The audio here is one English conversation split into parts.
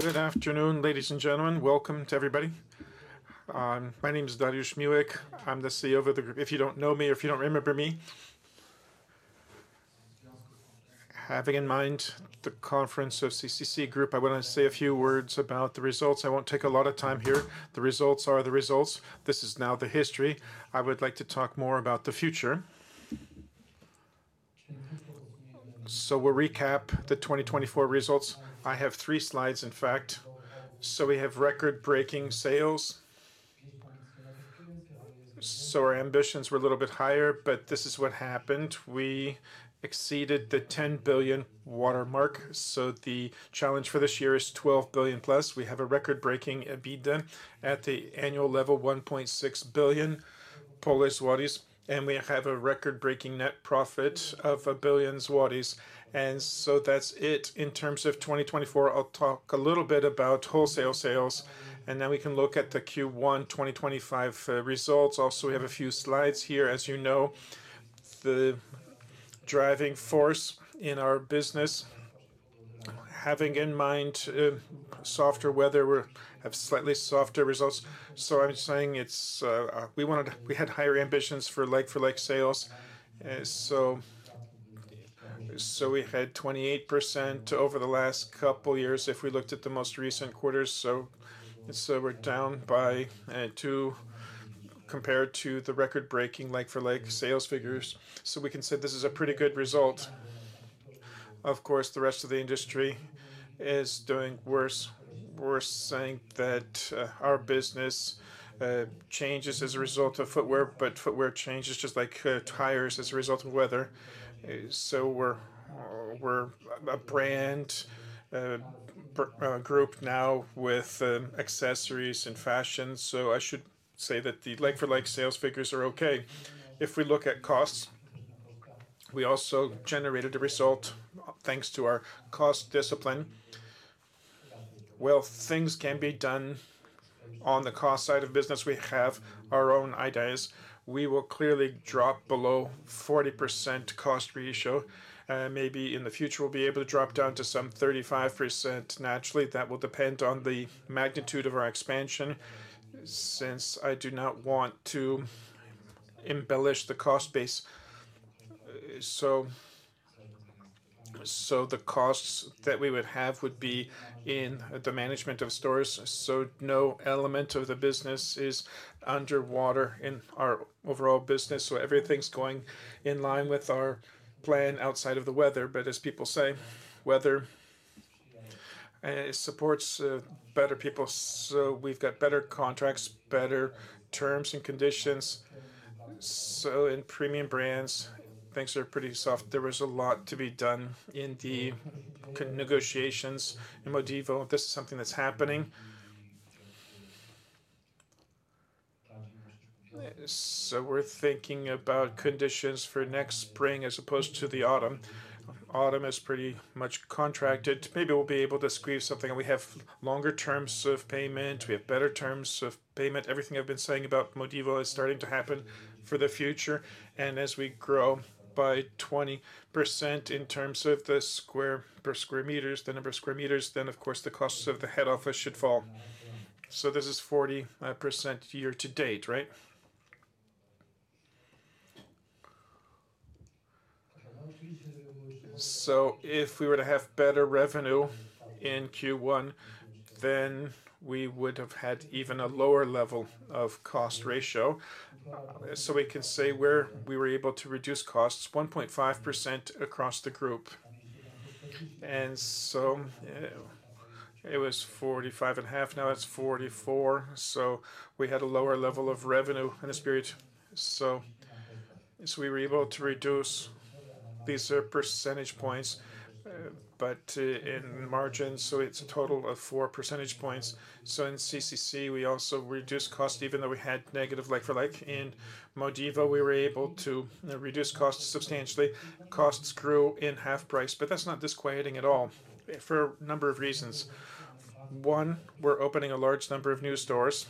Good afternoon, ladies and gentlemen. Welcome to everybody. My name is Dariusz Miłek. I'm the CEO of the group. If you don't know me, or if you don't remember me, having in mind the conference of CCC Group, I want to say a few words about the results. I won't take a lot of time here. The results are the results. This is now the history. I would like to talk more about the future. We will recap the 2024 results. I have three slides, in fact. We have record-breaking sales. Our ambitions were a little bit higher, but this is what happened. We exceeded the 10 billion watermark. The challenge for this year is 12 billion plus. We have a record-breaking EBITDA at the annual level, 1.6 billion, and we have a record-breaking net profit of 1 billion. That is it in terms of 2024. I'll talk a little bit about wholesale sales, and then we can look at the Q1 2025 results. Also, we have a few slides here. As you know, the driving force in our business, having in mind softer weather, we have slightly softer results. I'm saying we had higher ambitions for like-for-like sales. We had 28% over the last couple of years if we looked at the most recent quarters. We are down by two compared to the record-breaking like-for-like sales figures. We can say this is a pretty good result. Of course, the rest of the industry is doing worse. We are saying that our business changes as a result of footwear, but footwear changes just like tires as a result of weather. We are a brand group now with accessories and fashion. I should say that the like-for-like sales figures are okay. If we look at costs, we also generated a result thanks to our cost discipline. Things can be done on the cost side of business. We have our own ideas. We will clearly drop below 40% cost ratio. Maybe in the future, we'll be able to drop down to some 35% naturally. That will depend on the magnitude of our expansion since I do not want to embellish the cost base. The costs that we would have would be in the management of stores. No element of the business is underwater in our overall business. Everything's going in line with our plan outside of the weather. As people say, weather supports better people. We've got better contracts, better terms and conditions. In premium brands, things are pretty soft. There was a lot to be done in the negotiations in Modivo. This is something that's happening. We're thinking about conditions for next spring as opposed to the autumn. Autumn is pretty much contracted. Maybe we'll be able to squeeze something. We have longer terms of payment. We have better terms of payment. Everything I've been saying about Modivo is starting to happen for the future. As we grow by 20% in terms of the number of square meters, then of course, the costs of the head office should fall. This is 40% year to date, right? If we were to have better revenue in Q1, then we would have had even a lower level of cost ratio. We can say we were able to reduce costs, 1.5% across the group. It was 45.5. Now it's 44. So we had a lower level of revenue in this period. We were able to reduce these percentage points, but in margin. It's a total of four percentage points. In CCC, we also reduced costs, even though we had negative like-for-like. In Modivo, we were able to reduce costs substantially. Costs grew in HalfPrice, but that's not disquieting at all for a number of reasons. One, we're opening a large number of new stores.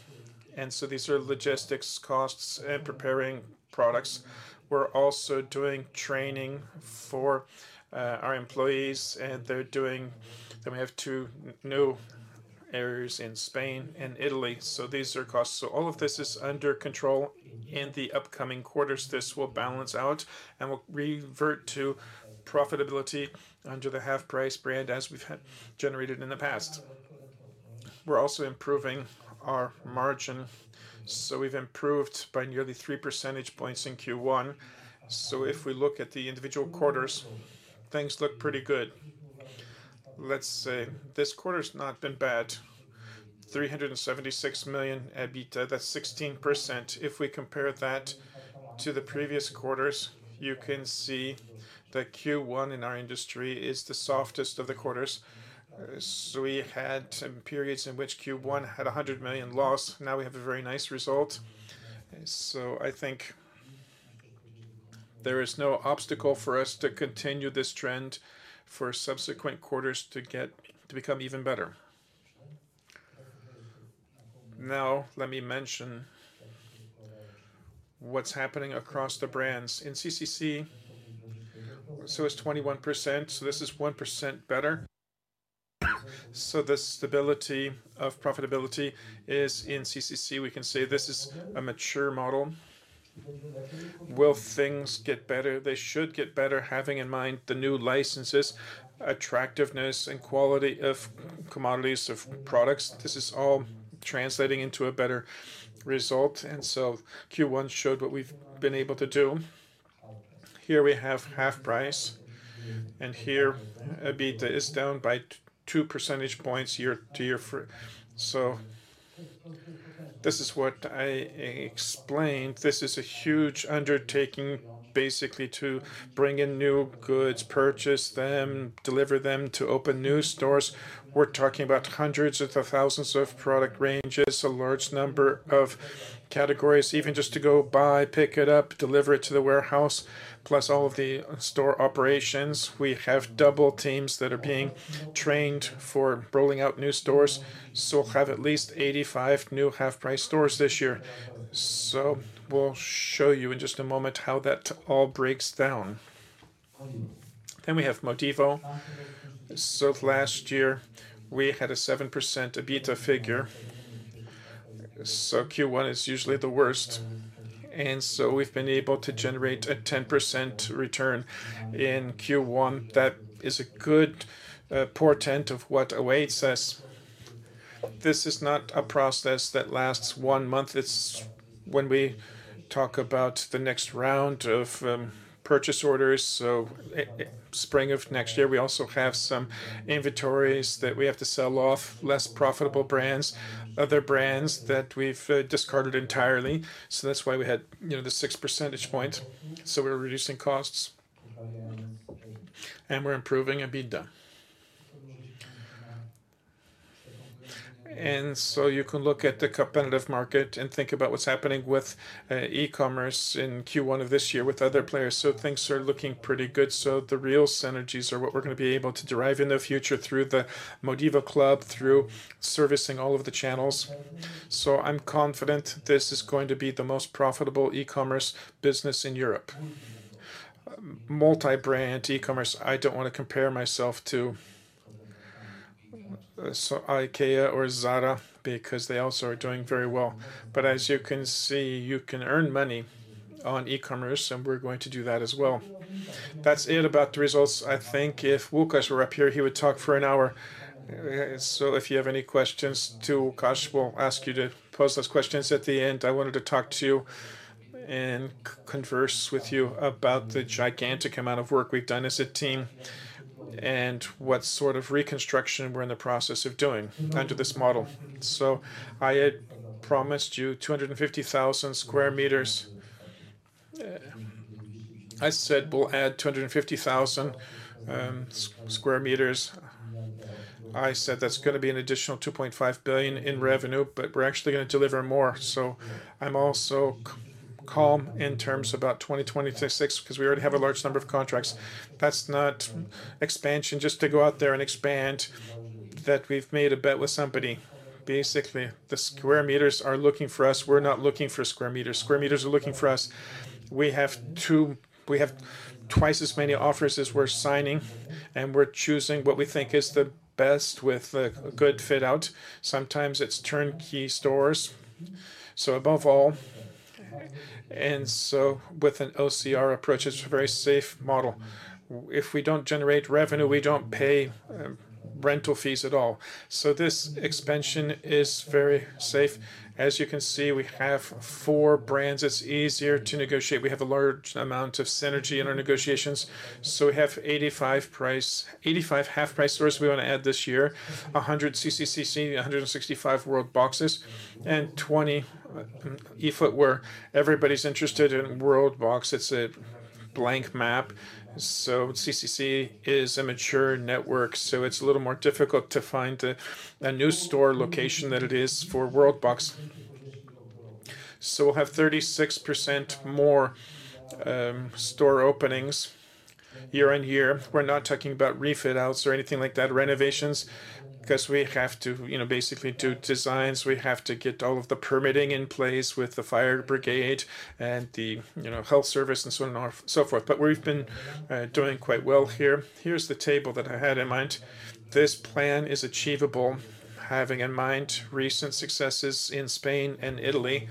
These are logistics costs and preparing products. We're also doing training for our employees, and we have two new areas in Spain and Italy. These are costs. All of this is under control. In the upcoming quarters, this will balance out and will revert to profitability under the HalfPrice brand as we've generated in the past. We're also improving our margin. We have improved by nearly three percentage points in Q1. If we look at the individual quarters, things look pretty good. Let's say this quarter has not been bad. 376 million EBITDA, that's 16%. If we compare that to the previous quarters, you can see that Q1 in our industry is the softest of the quarters. We had periods in which Q1 had 100 million loss. Now we have a very nice result. I think there is no obstacle for us to continue this trend for subsequent quarters to become even better. Let me mention what is happening across the brands. In CCC, it is 21%. This is 1% better. The stability of profitability is in CCC. We can say this is a mature model. Will things get better? They should get better, having in mind the new licenses, attractiveness, and quality of commodities, of products. This is all translating into a better result. Q1 showed what we've been able to do. Here we have HalfPrice, and here EBITDA is down by two percentage points year to year. This is what I explained. This is a huge undertaking, basically, to bring in new goods, purchase them, deliver them to open new stores. We're talking about hundreds of thousands of product ranges, a large number of categories, even just to go buy, pick it up, deliver it to the warehouse, plus all of the store operations. We have double teams that are being trained for rolling out new stores. We'll have at least 85 new HalfPrice stores this year. We'll show you in just a moment how that all breaks down. We have Modivo. Last year, we had a 7% EBITDA figure. Q1 is usually the worst, and we have been able to generate a 10% return in Q1. That is a good portent of what awaits us. This is not a process that lasts one month. It is when we talk about the next round of purchase orders. Spring of next year, we also have some inventories that we have to sell off, less profitable brands, other brands that we have discarded entirely. That is why we had the six percentage points. We are reducing costs, and we are improving EBITDA. You can look at the competitive market and think about what is happening with e-commerce in Q1 of this year with other players. Things are looking pretty good. The real synergies are what we're going to be able to derive in the future through the Modivo club, through servicing all of the channels. I'm confident this is going to be the most profitable e-commerce business in Europe. Multi-brand e-commerce, I don't want to compare myself to IKEA or Zara because they also are doing very well. As you can see, you can earn money on e-commerce, and we're going to do that as well. That's it about the results. I think if Wojciech were up here, he would talk for an hour. If you have any questions to Wojciech, we'll ask you to pose those questions at the end. I wanted to talk to you and converse with you about the gigantic amount of work we've done as a team and what sort of reconstruction we're in the process of doing under this model. I had promised you 250,000 sq. m. I said we will add 250,000 sq. m. I said that is going to be an additional 2.5 billion in revenue, but we are actually going to deliver more. I am also calm in terms about 2026 because we already have a large number of contracts. That is not expansion just to go out there and expand that we have made a bet with somebody. Basically, the sq m are looking for us. We are not looking for sq. m., sq. m. are looking for us. We have twice as many offers as we are signing, and we are choosing what we think is the best with a good fit out. Sometimes it is turnkey stores. Above all, with an OCR approach, it is a very safe model. If we do not generate revenue, we do not pay rental fees at all. This expansion is very safe. As you can see, we have four brands. It's easier to negotiate. We have a large amount of synergy in our negotiations. We have 85 HalfPrice stores we want to add this year, 100 CCC, 165 WorldBoxes, and 20 eFootwear. Everybody's interested in WorldBox. It's a blank map. CCC is a mature network. It's a little more difficult to find a new store location than it is for WorldBox. We'll have 36% more store openings year on year. We're not talking about refit outs or anything like that, renovations, because we have to basically do designs. We have to get all of the permitting in place with the fire brigade and the health service and so on and so forth. We've been doing quite well here. Here's the table that I had in mind. This plan is achievable, having in mind recent successes in Spain and Italy.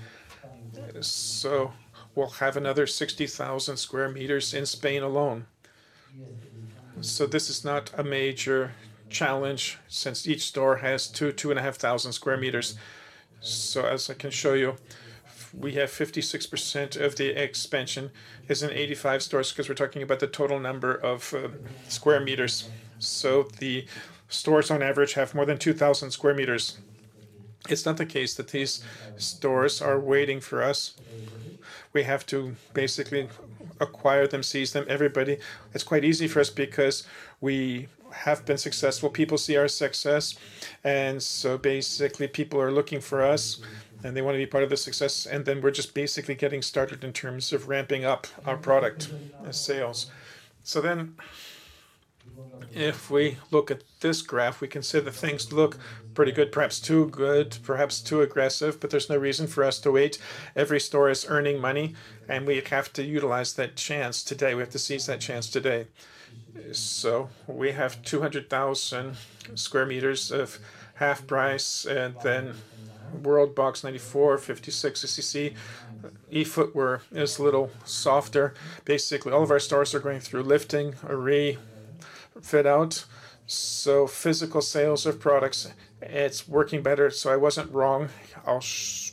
We will have another 60,000 sq. m. in Spain alone. This is not a major challenge since each store has 2,000-2,500 sq. m. As I can show you, we have 56% of the expansion in 85 stores because we are talking about the total number of sq. m. The stores on average have more than 2,000 sq. m. It is not the case that these stores are waiting for us. We have to basically acquire them, seize them, everybody. It is quite easy for us because we have been successful. People see our success. Basically, people are looking for us, and they want to be part of the success. We are just basically getting started in terms of ramping up our product and sales. If we look at this graph, we can say the things look pretty good, perhaps too good, perhaps too aggressive, but there's no reason for us to wait. Every store is earning money, and we have to utilize that chance today. We have to seize that chance today. We have 200,000 sq. m. of HalfPrice, and then WorldBox 94, 56 CCC, eFootwear it's a little softer. Basically, all of our stores are going through lifting, refit out. Physical sales of products, it's working better. I wasn't wrong. I'll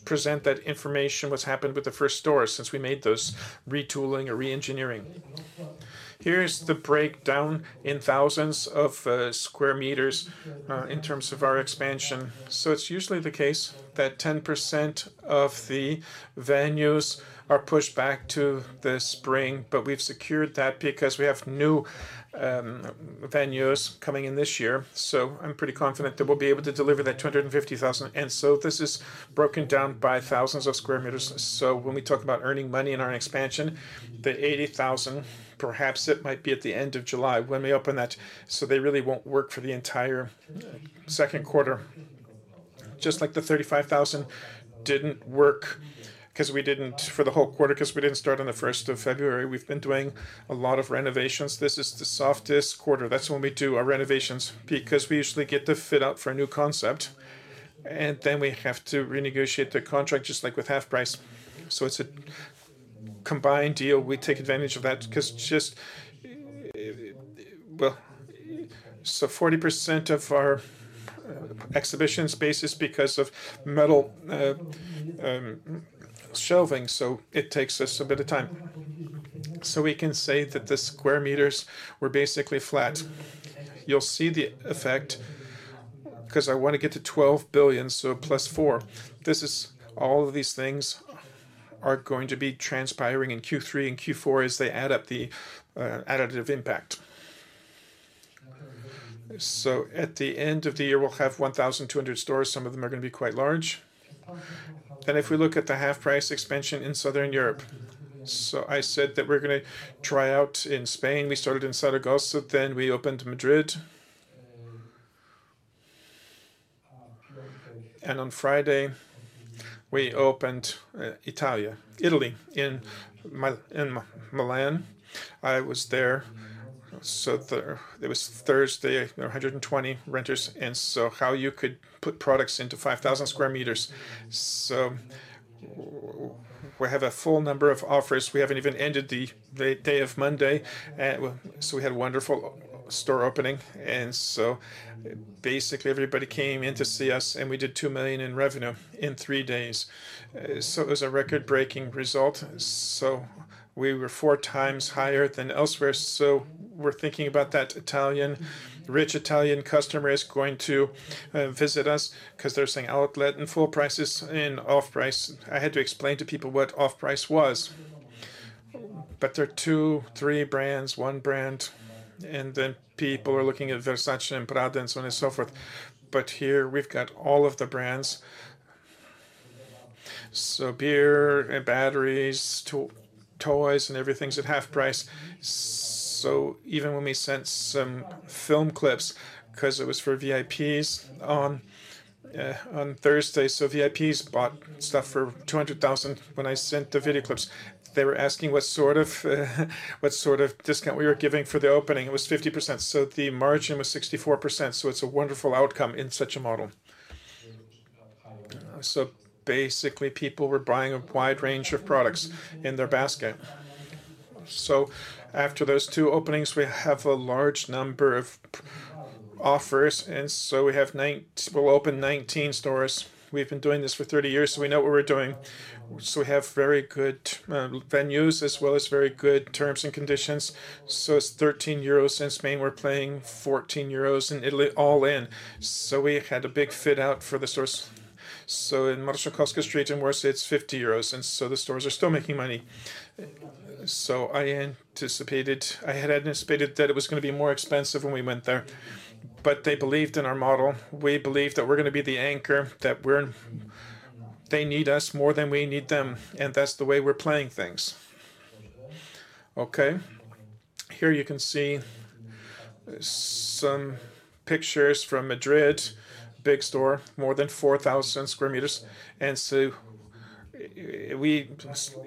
present that information, what's happened with the first stores since we made those retooling or re-engineering. Here's the breakdown in thousands of sq m in terms of our expansion. It's usually the case that 10% of the venues are pushed back to the spring, but we've secured that because we have new venues coming in this year. I'm pretty confident that we'll be able to deliver that 250,000. This is broken down by thousands of sq. m. When we talk about earning money in our expansion, the 80,000, perhaps it might be at the end of July when we open that. They really will not work for the entire second quarter, just like the 35,000 did not work because we did not for the whole quarter because we did not start on the 1st of February. We've been doing a lot of renovations. This is the softest quarter. That's when we do our renovations because we usually get the fit out for a new concept. We have to renegotiate the contract, just like with HalfPrice. It is a combined deal. We take advantage of that because, just, well, 40% of our exhibition space is because of metal shelving. It takes us a bit of time. We can say that the square meters were basically flat. You will see the effect because I want to get to 12 billion, so plus four. All of these things are going to be transpiring in Q3 and Q4 as they add up the additive impact. At the end of the year, we will have 1,200 stores. Some of them are going to be quite large. If we look at the HalfPrice expansion in Southern Europe, I said that we are going to try out in Spain. We started in Zaragoza. We opened Madrid. On Friday, we opened Italy in Milan. I was there. It was Thursday, 120 renters. How you could put products into 5,000 sq m. We have a full number of offers. We have not even ended the day of Monday. We had a wonderful store opening. Basically, everybody came in to see us, and we did 2 million in revenue in three days. It was a record-breaking result. We were four times higher than elsewhere. We are thinking about that Italian, rich Italian customer is going to visit us because they are saying outlet and full prices and off-price. I had to explain to people what off-price was. There are two, three brands, one brand. People are looking at Versace and Prada and so on and so forth. Here we have all of the brands. Beer and batteries, toys and everything's at half price. Even when we sent some film clips because it was for VIPs on Thursday, VIPs bought stuff for 200,000 when I sent the video clips. They were asking what sort of discount we were giving for the opening. It was 50%. The margin was 64%. It's a wonderful outcome in such a model. Basically, people were buying a wide range of products in their basket. After those two openings, we have a large number of offers. We'll open 19 stores. We've been doing this for 30 years, so we know what we're doing. We have very good venues as well as very good terms and conditions. It's 13 euros in Spain. We're paying 14 euros in Italy all in. We had a big fit out for the stores. In Marszałkowska Street in Warsaw, it's 50 euros. The stores are still making money. I had anticipated that it was going to be more expensive when we went there. They believed in our model. We believe that we're going to be the anchor, that they need us more than we need them. That's the way we're playing things. Here you can see some pictures from Madrid, big store, more than 4,000 sq. m.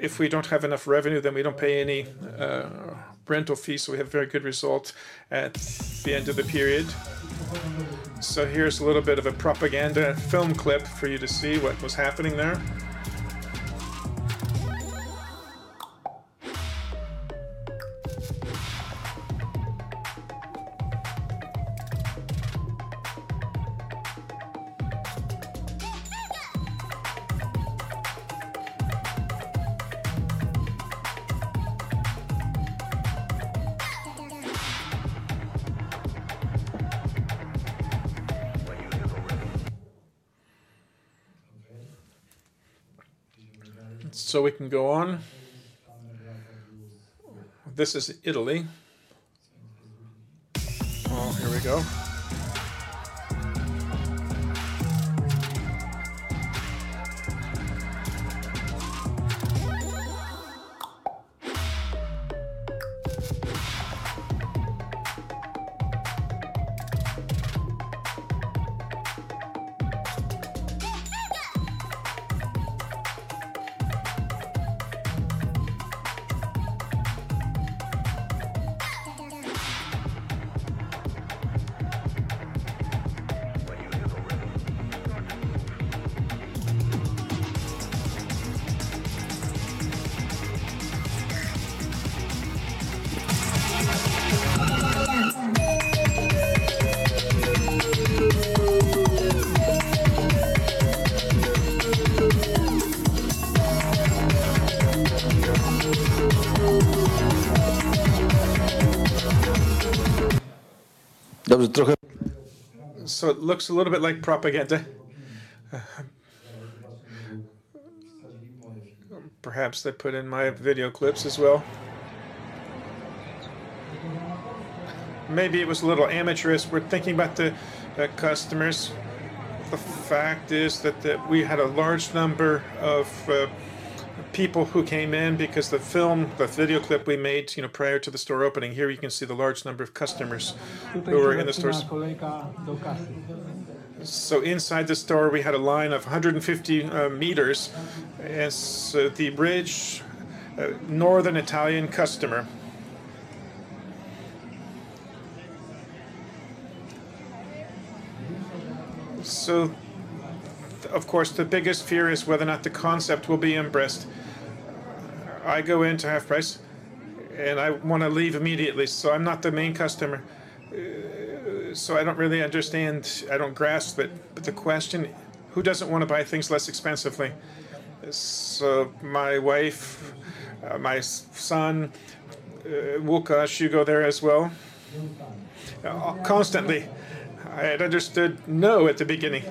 If we don't have enough revenue, then we don't pay any rental fee. We have very good results at the end of the period. Here's a little bit of a propaganda film clip for you to see what was happening there. We can go on. This is Italy. Oh, here we go. It looks a little bit like propaganda. Perhaps they put in my video clips as well. Maybe it was a little amateurish. We're thinking about the customers. The fact is that we had a large number of people who came in because the film, the video clip we made prior to the store opening. Here you can see the large number of customers who were in the stores. Inside the store, we had a line of 150 meters. The bridge, Northern Italian customer. Of course, the biggest fear is whether or not the concept will be embraced. I go in to HalfPrice, and I want to leave immediately. I'm not the main customer. I don't really understand. I don't grasp it. The question, who doesn't want to buy things less expensively? My wife, my son, Wojciech, you go there as well? Constantly. I had understood no at the beginning.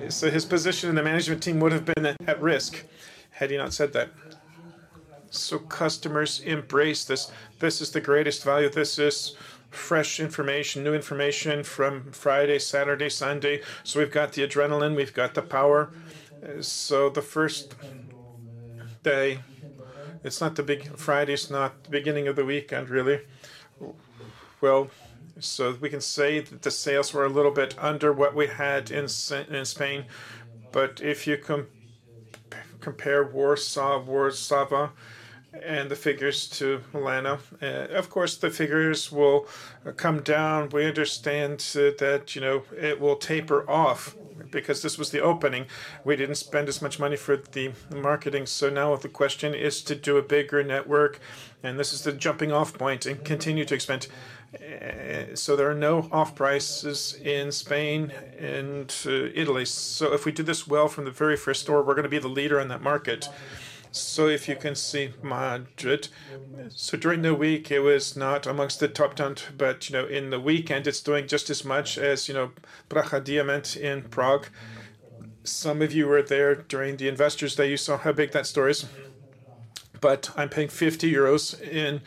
His position in the management team would have been at risk had he not said that. Customers embrace this. This is the greatest value. This is fresh information, new information from Friday, Saturday, Sunday. We have got the adrenaline. We have got the power. The first day, it is not the big Friday, it is not the beginning of the weekend, really. We can say that the sales were a little bit under what we had in Spain. If you compare Warsaw, Warsaw, and the figures to Milan, of course, the figures will come down. We understand that it will taper off because this was the opening. We did not spend as much money for the marketing. The question now is to do a bigger network. This is the jumping-off point and continue to expand. There are no off-prices in Spain and Italy. If we do this well from the very first store, we're going to be the leader in that market. If you can see Madrid, during the week, it was not amongst the top 10, but in the weekend, it's doing just as much as Praha Diamond in Prague. Some of you were there during the investors that you saw how big that store is. I'm paying 50 euros in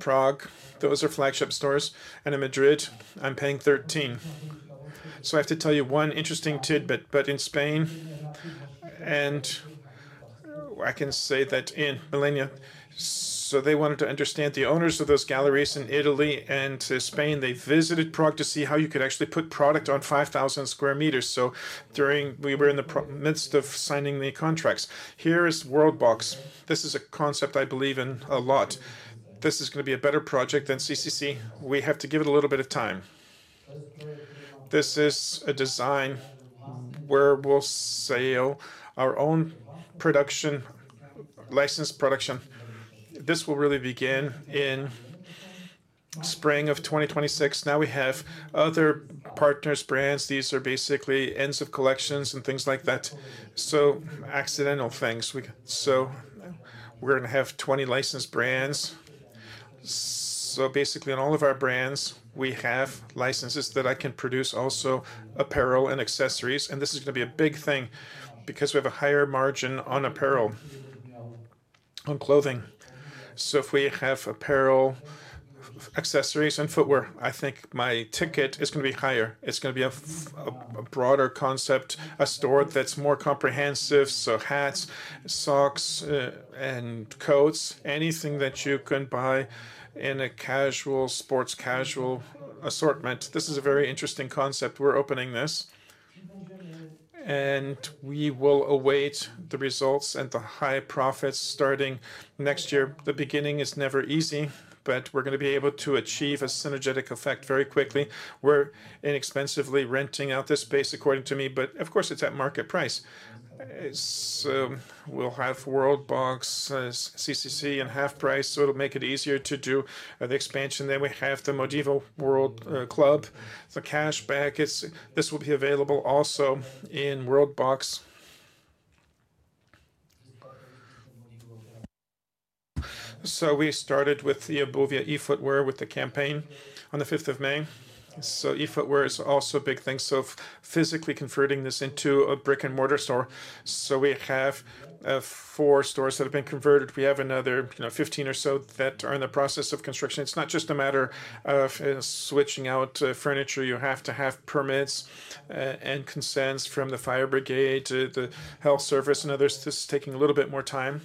Prague. Those are flagship stores. In Madrid, I'm paying 13. I have to tell you one interesting tidbit, in Spain, and I can say that in Milan. They wanted to understand, the owners of those galleries in Italy and Spain, they visited Prague to see how you could actually put product on 5,000 sq. m. We were in the midst of signing the contracts. Here is WorldBox. This is a concept I believe in a lot. This is going to be a better project than CCC. We have to give it a little bit of time. This is a design where we'll sell our own production, licensed production. This will really begin in spring of 2026. Now we have other partners, brands. These are basically ends of collections and things like that. Accidental things. We're going to have 20 licensed brands. Basically, on all of our brands, we have licenses that I can produce also apparel and accessories. This is going to be a big thing because we have a higher margin on apparel, on clothing. If we have apparel, accessories, and footwear, I think my ticket is going to be higher. It's going to be a broader concept, a store that's more comprehensive. Hats, socks, and coats, anything that you can buy in a casual sports casual assortment. This is a very interesting concept. We're opening this. We will await the results and the high profits starting next year. The beginning is never easy, but we're going to be able to achieve a synergetic effect very quickly. We're inexpensively renting out this space, according to me, but of course, it's at market price. We'll have WorldBox, CCC, and HalfPrice. It'll make it easier to do the expansion. We have the Modivo World Club. The cashback, this will be available also in World Box. We started with the eobuwie, eFootwear with the campaign on the 5th of May. eFootwear is also a big thing. Physically converting this into a brick-and-mortar store. We have four stores that have been converted. We have another 15 or so that are in the process of construction. It is not just a matter of switching out furniture. You have to have permits and consents from the fire brigade, the health service, and others. This is taking a little bit more time.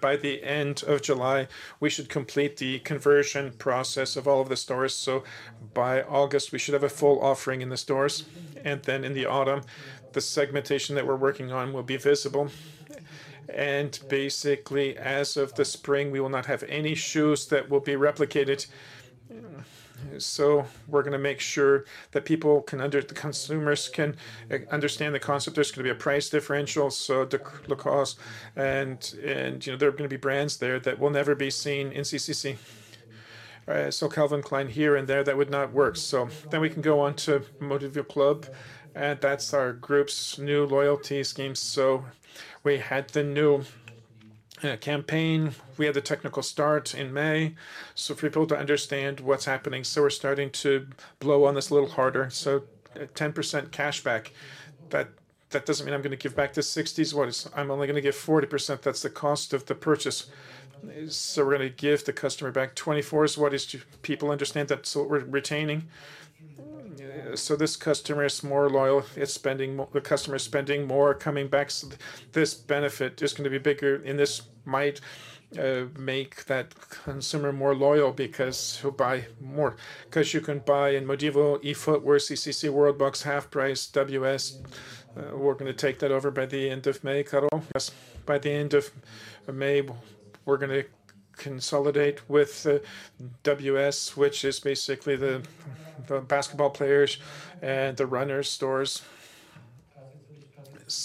By the end of July, we should complete the conversion process of all of the stores. By August, we should have a full offering in the stores. In the autumn, the segmentation that we are working on will be visible. Basically, as of the spring, we will not have any shoes that will be replicated. We are going to make sure that people, consumers, can understand the concept. There is going to be a price differential. The cost, and there are going to be brands there that will never be seen in CCC. Calvin Klein here and there, that would not work. We can go on to Modivo Club, and that's our group's new loyalty scheme. We had the new campaign. We had the technical start in May. For people to understand what's happening. We're starting to blow on this a little harder. 10% cashback. That doesn't mean I'm going to give back the 60s. What is, I'm only going to give 40%. That's the cost of the purchase. We're going to give the customer back 24s. What is, to people understand, that's what we're retaining. This customer is more loyal. The customer is spending more, coming back. This benefit is going to be bigger, and this might make that consumer more loyal because he'll buy more. Because you can buy in Modivo, eFootwear, CCC, WorldBox, HalfPrice, WS. We're going to take that over by the end of May. By the end of May, we're going to consolidate with WS, which is basically the basketball players and the runner stores.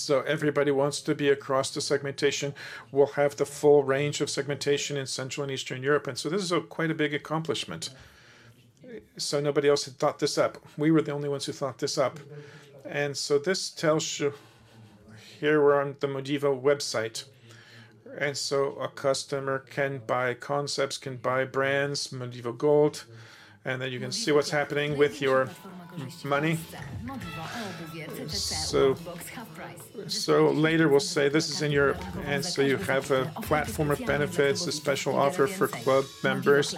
Everybody wants to be across the segmentation. We'll have the full range of segmentation in Central and Eastern Europe. This is quite a big accomplishment. Nobody else had thought this up. We were the only ones who thought this up. This tells you here we're on the Modivo website. A customer can buy concepts, can buy brands, Modivo Gold. You can see what's happening with your money. Later we'll say this is in Europe. You have a platform of benefits, a special offer for club members.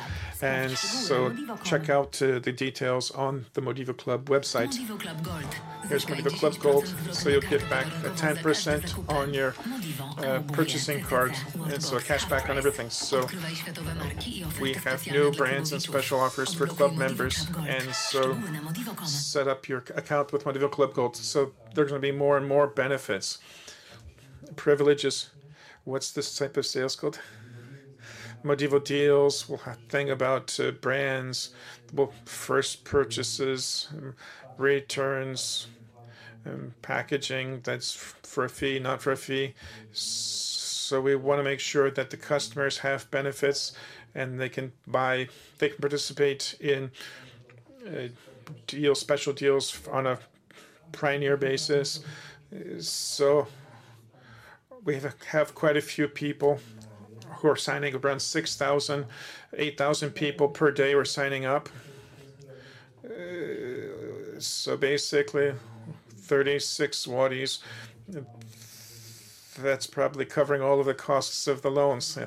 Check out the details on the Modivo Club website. Here's Modivo Club Gold. You'll get back 10% on your purchasing card, cashback on everything. We have new brands and special offers for club members. Set up your account with Modivo Club Gold. There are going to be more and more benefits, privileges. What's this type of sales code? Modivo deals. We'll have things about brands, first purchases, returns, packaging. That's for a fee, not for a fee. We want to make sure that the customers have benefits and they can participate in special deals on a pioneer basis. We have quite a few people who are signing, around 6,000-8,000 people per day who are signing up. Basically, 36 what is? That's probably covering all of the costs of the loans.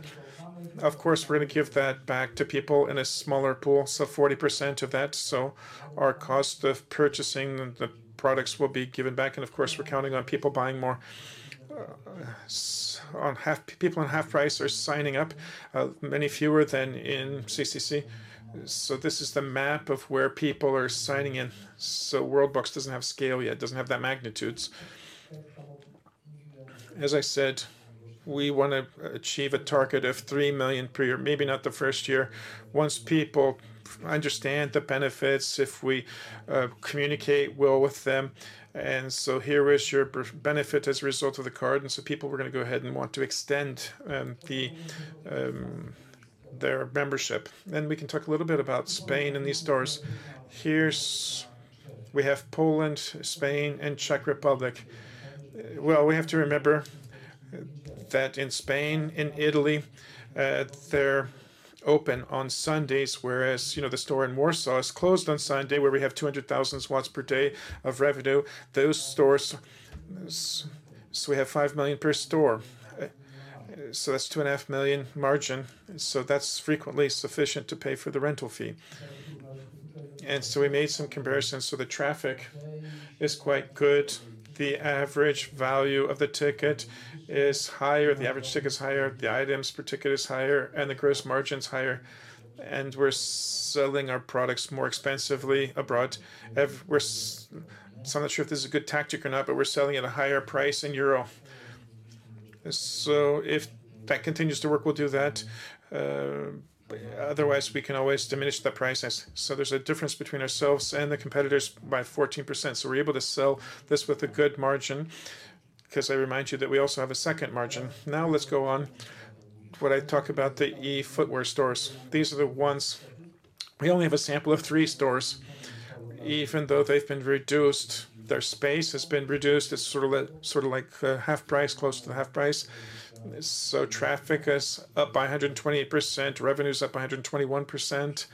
Of course, we're going to give that back to people in a smaller pool. So 40% of that. So our cost of purchasing the products will be given back. Of course, we're counting on people buying more. People on HalfPrice are signing up many fewer than in CCC. This is the map of where people are signing in. WorldBox doesn't have scale yet, doesn't have that magnitudes. As I said, we want to achieve a target of 3 million per year, maybe not the first year. Once people understand the benefits, if we communicate well with them. Here is your benefit as a result of the card. People are going to go ahead and want to extend their membership. We can talk a little bit about Spain and these stores. Here we have Poland, Spain, and Czech Republic. We have to remember that in Spain and Italy, they're open on Sundays, whereas the store in Warsaw is closed on Sunday, where we have 200,000 per day of revenue. Those stores, so we have 5 million per store. That's 2.5 million margin. That's frequently sufficient to pay for the rental fee. We made some comparisons. The traffic is quite good. The average value of the ticket is higher. The average ticket is higher. The items per ticket is higher, and the gross margin is higher. We're selling our products more expensively abroad. I'm not sure if this is a good tactic or not, but we're selling at a higher price in euro. If that continues to work, we'll do that. Otherwise, we can always diminish the prices. There is a difference between ourselves and the competitors by 14%. We are able to sell this with a good margin because I remind you that we also have a second margin. Now, let's go on. When I talk about the eFootwear stores, these are the ones. We only have a sample of three stores. Even though their space has been reduced, it's sort of like HalfPrice, close to the HalfPrice. Traffic is up by 128%. Revenue is up by 121%.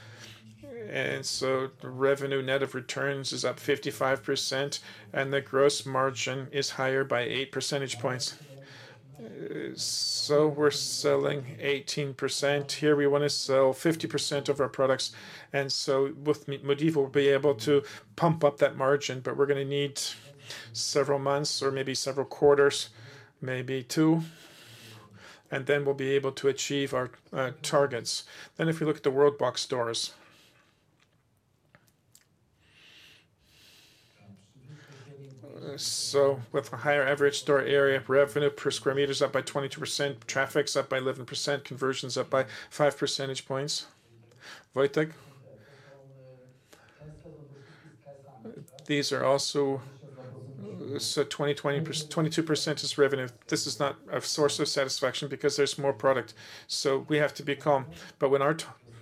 Revenue net of returns is up 55%. The gross margin is higher by 8 percentage points. We are selling 18%. Here we want to sell 50% of our products. With Modivo, we will be able to pump up that margin, but we are going to need several months or maybe several quarters, maybe two. We will be able to achieve our targets. If we look at the WorldBox stores, with a higher average store area, revenue per square meter is up by 22%. Traffic is up by 11%. Conversion is up by 5 percentage points. These are also 22% as revenue. This is not a source of satisfaction because there is more product. We have to be calm. When our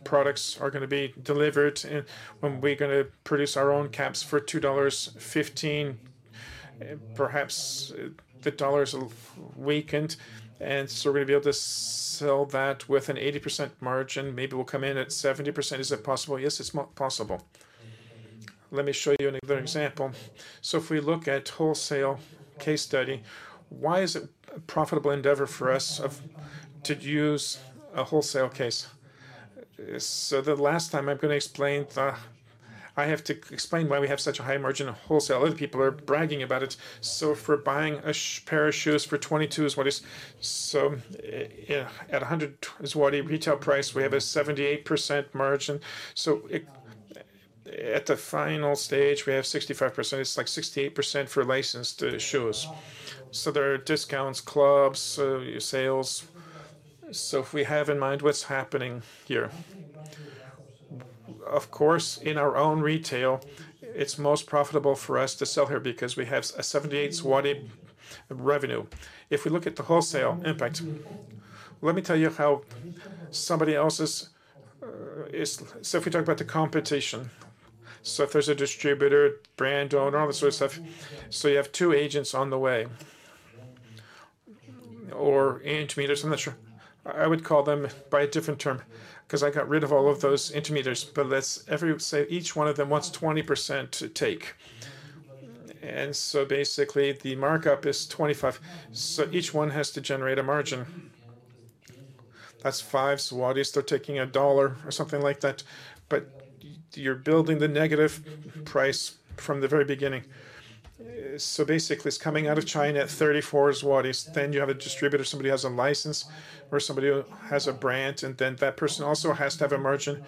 products are going to be delivered and when we are going to produce our own caps for $2.15, perhaps the dollars have weakened, and we are going to be able to sell that with an 80% margin. Maybe we will come in at 70%. Is it possible? Yes, it is possible. Let me show you another example. If we look at wholesale case study, why is it a profitable endeavor for us to use a wholesale case? The last time I'm going to explain, I have to explain why we have such a high margin of wholesale. Other people are bragging about it. If we're buying a pair of shoes for 22, what is—so at 120 retail price, we have a 78% margin. At the final stage, we have 65%. It's like 68% for licensed shoes. There are discounts, clubs, sales. If we have in mind what's happening here. Of course, in our own retail, it's most profitable for us to sell here because we have a 78% revenue. If we look at the wholesale impact, let me tell you how somebody else's is. If we talk about the competition, if there's a distributor, brand owner, all this sort of stuff, you have two agents on the way. Or intermediaries, I'm not sure. I would call them by a different term because I got rid of all of those intermediaries. Let's say each one of them wants 20% to take. Basically, the markup is 25. Each one has to generate a margin. That's 5 zlotys. They're taking a dollar or something like that. You're building the negative price from the very beginning. Basically, it's coming out of China at 34 zlotys. You have a distributor, somebody who has a license or somebody who has a brand. That person also has to have a margin.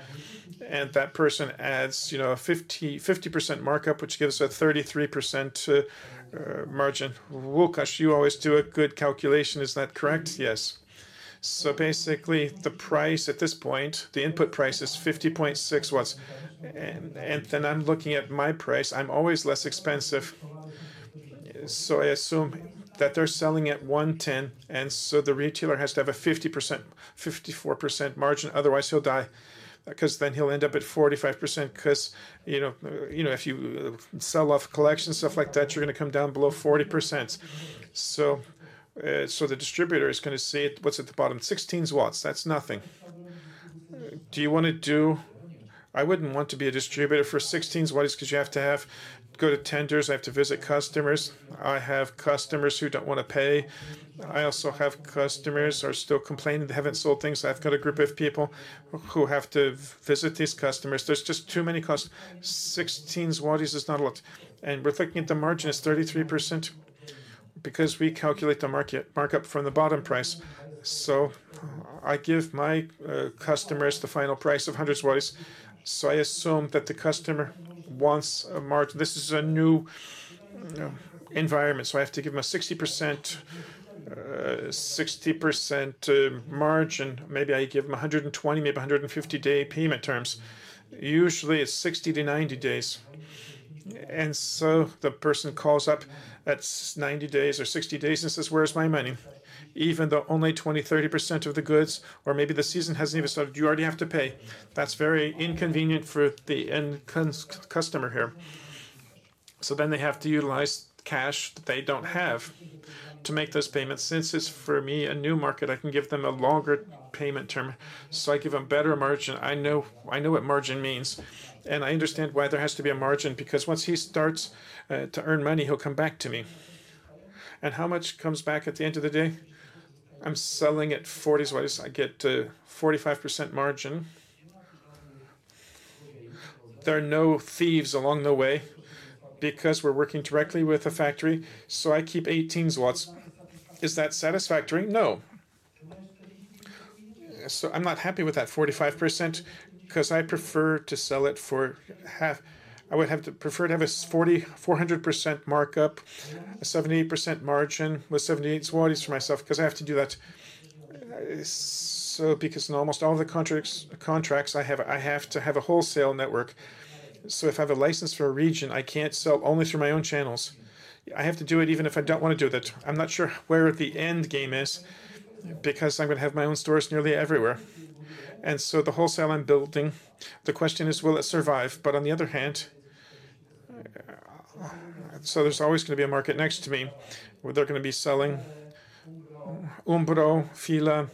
That person adds a 50% markup, which gives us a 33% margin. Wojciech, you always do a good calculation. Is that correct? Yes. Basically, the price at this point, the input price is 50.6. I'm looking at my price. I'm always less expensive. I assume that they're selling at 110. The retailer has to have a 50%-54% margin. Otherwise, he'll die. Because then he'll end up at 45%. Because if you sell off collections, stuff like that, you're going to come down below 40%. The distributor is going to see what's at the bottom. 16. That's nothing. Do you want to do? I wouldn't want to be a distributor for 16 because you have to have good attenders. I have to visit customers. I have customers who don't want to pay. I also have customers who are still complaining they haven't sold things. I've got a group of people who have to visit these customers. There's just too many costs. 16 zlotys is not a lot. We're looking at the margin as 33% because we calculate the market markup from the bottom price. I give my customers the final price of PLN 100. I assume that the customer wants a margin. This is a new environment. I have to give them a 60% margin. Maybe I give them 120- or 150-day payment terms. Usually, it is 60-90 days. The person calls up at 90 days or 60 days and says, "Where is my money?" Even though only 20-30% of the goods or maybe the season has not even started, you already have to pay. That is very inconvenient for the end customer here. They have to utilize cash that they do not have to make those payments. Since it is for me a new market, I can give them a longer payment term. I give them better margin. I know what margin means. I understand why there has to be a margin because once he starts to earn money, he'll come back to me. How much comes back at the end of the day? I'm selling at 40. I get to 45% margin. There are no thieves along the way because we're working directly with a factory. I keep 18. Is that satisfactory? No. I'm not happy with that 45% because I prefer to sell it for half. I would have to prefer to have a 400% markup, a 70% margin with 78 for myself because I have to do that. In almost all the contracts I have, I have to have a wholesale network. If I have a license for a region, I can't sell only through my own channels. I have to do it even if I don't want to do that. I'm not sure where the end game is because I'm going to have my own stores nearly everywhere. The wholesale I'm building, the question is, will it survive? On the other hand, there's always going to be a market next to me where they're going to be selling Umbro, Fila.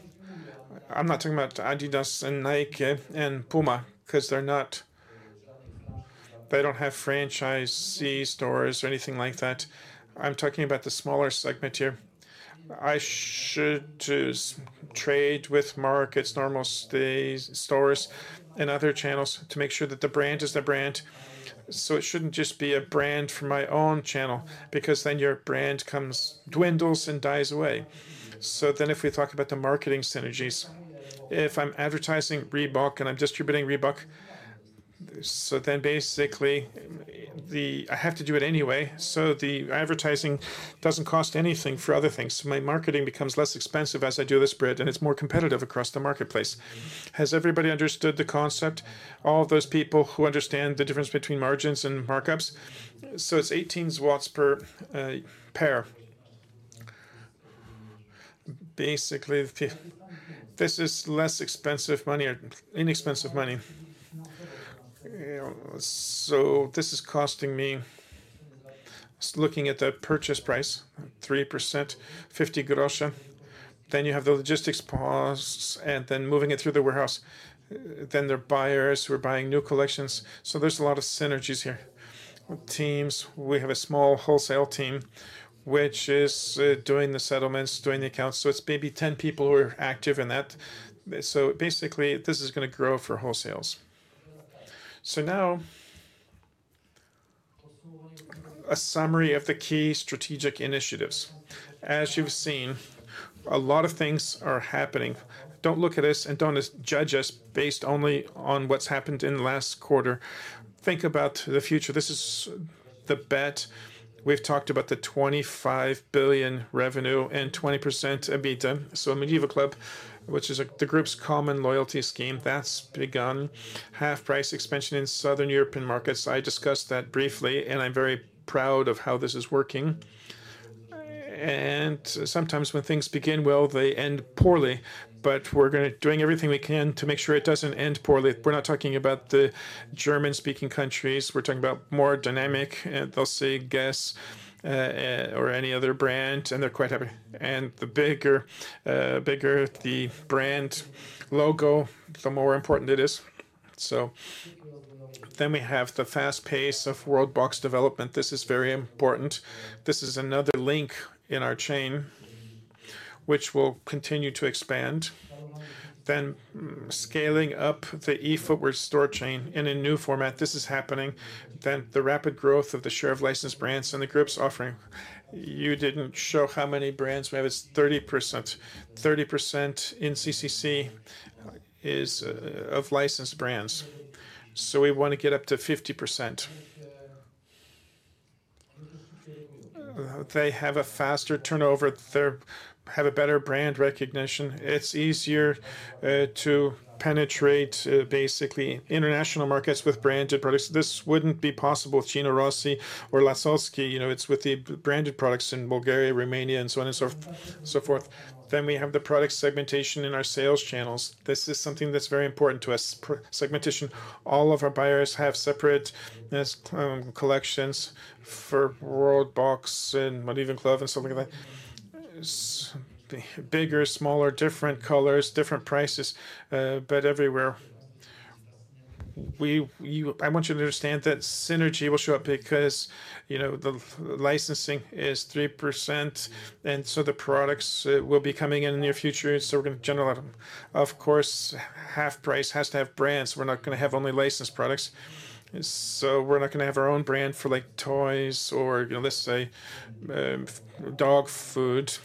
I'm not talking about Adidas and Nike and Puma because they don't have franchisee stores or anything like that. I'm talking about the smaller segment here. I should trade with markets, normal stores, and other channels to make sure that the brand is the brand. It shouldn't just be a brand for my own channel because then your brand dwindles and dies away. If we talk about the marketing synergies, if I'm advertising Reebok and I'm distributing Reebok, basically I have to do it anyway. The advertising does not cost anything for other things. My marketing becomes less expensive as I do this spread and it's more competitive across the marketplace. Has everybody understood the concept? All those people who understand the difference between margins and markups. It's 18 per pair. Basically, this is less expensive money or inexpensive money. This is costing me, looking at the purchase price, 3%, 0.50. Then you have the logistics costs and then moving it through the warehouse. Then there are buyers who are buying new collections. There's a lot of synergies here. Teams, we have a small wholesale team, which is doing the settlements, doing the accounts. It is maybe 10 people who are active in that. Basically, this is going to grow for wholesales. Now, a summary of the key strategic initiatives. As you have seen, a lot of things are happening. Do not look at us and do not judge us based only on what has happened in the last quarter. Think about the future. This is the bet. We have talked about the 25 billion revenue and 20% EBITDA. So Medieval Club, which is the group's common loyalty scheme, that has begun. HalfPrice expansion in Southern European markets. I discussed that briefly, and I am very proud of how this is working. Sometimes when things begin well, they end poorly. We are doing everything we can to make sure it does not end poorly. We are not talking about the German-speaking countries. We are talking about more dynamic. They will see Guess or any other brand, and they are quite happy. The bigger the brand logo, the more important it is. We have the fast pace of WorldBox development. This is very important. This is another link in our chain, which will continue to expand. Scaling up the eFootwear store chain in a new format is happening. The rapid growth of the share of licensed brands in the group's offering is also important. You did not show how many brands we have. It is 30%. 30% in CCC is of licensed brands. We want to get up to 50%. They have a faster turnover. They have better brand recognition. It is easier to penetrate basically international markets with branded products. This would not be possible with Gina Rossi or Lasocki. It is with the branded products in Bulgaria, Romania, and so on and so forth. We have the product segmentation in our sales channels. This is something that's very important to us. Segmentation. All of our buyers have separate collections for WorldBox and Medieval Club and something like that. Bigger, smaller, different colors, different prices, but everywhere. I want you to understand that synergy will show up because the licensing is 3%. The products will be coming in the near future. We are going to generalize them. Of course, HalfPrice has to have brands. We are not going to have only licensed products. We are not going to have our own brand for toys or, let's say, dog food.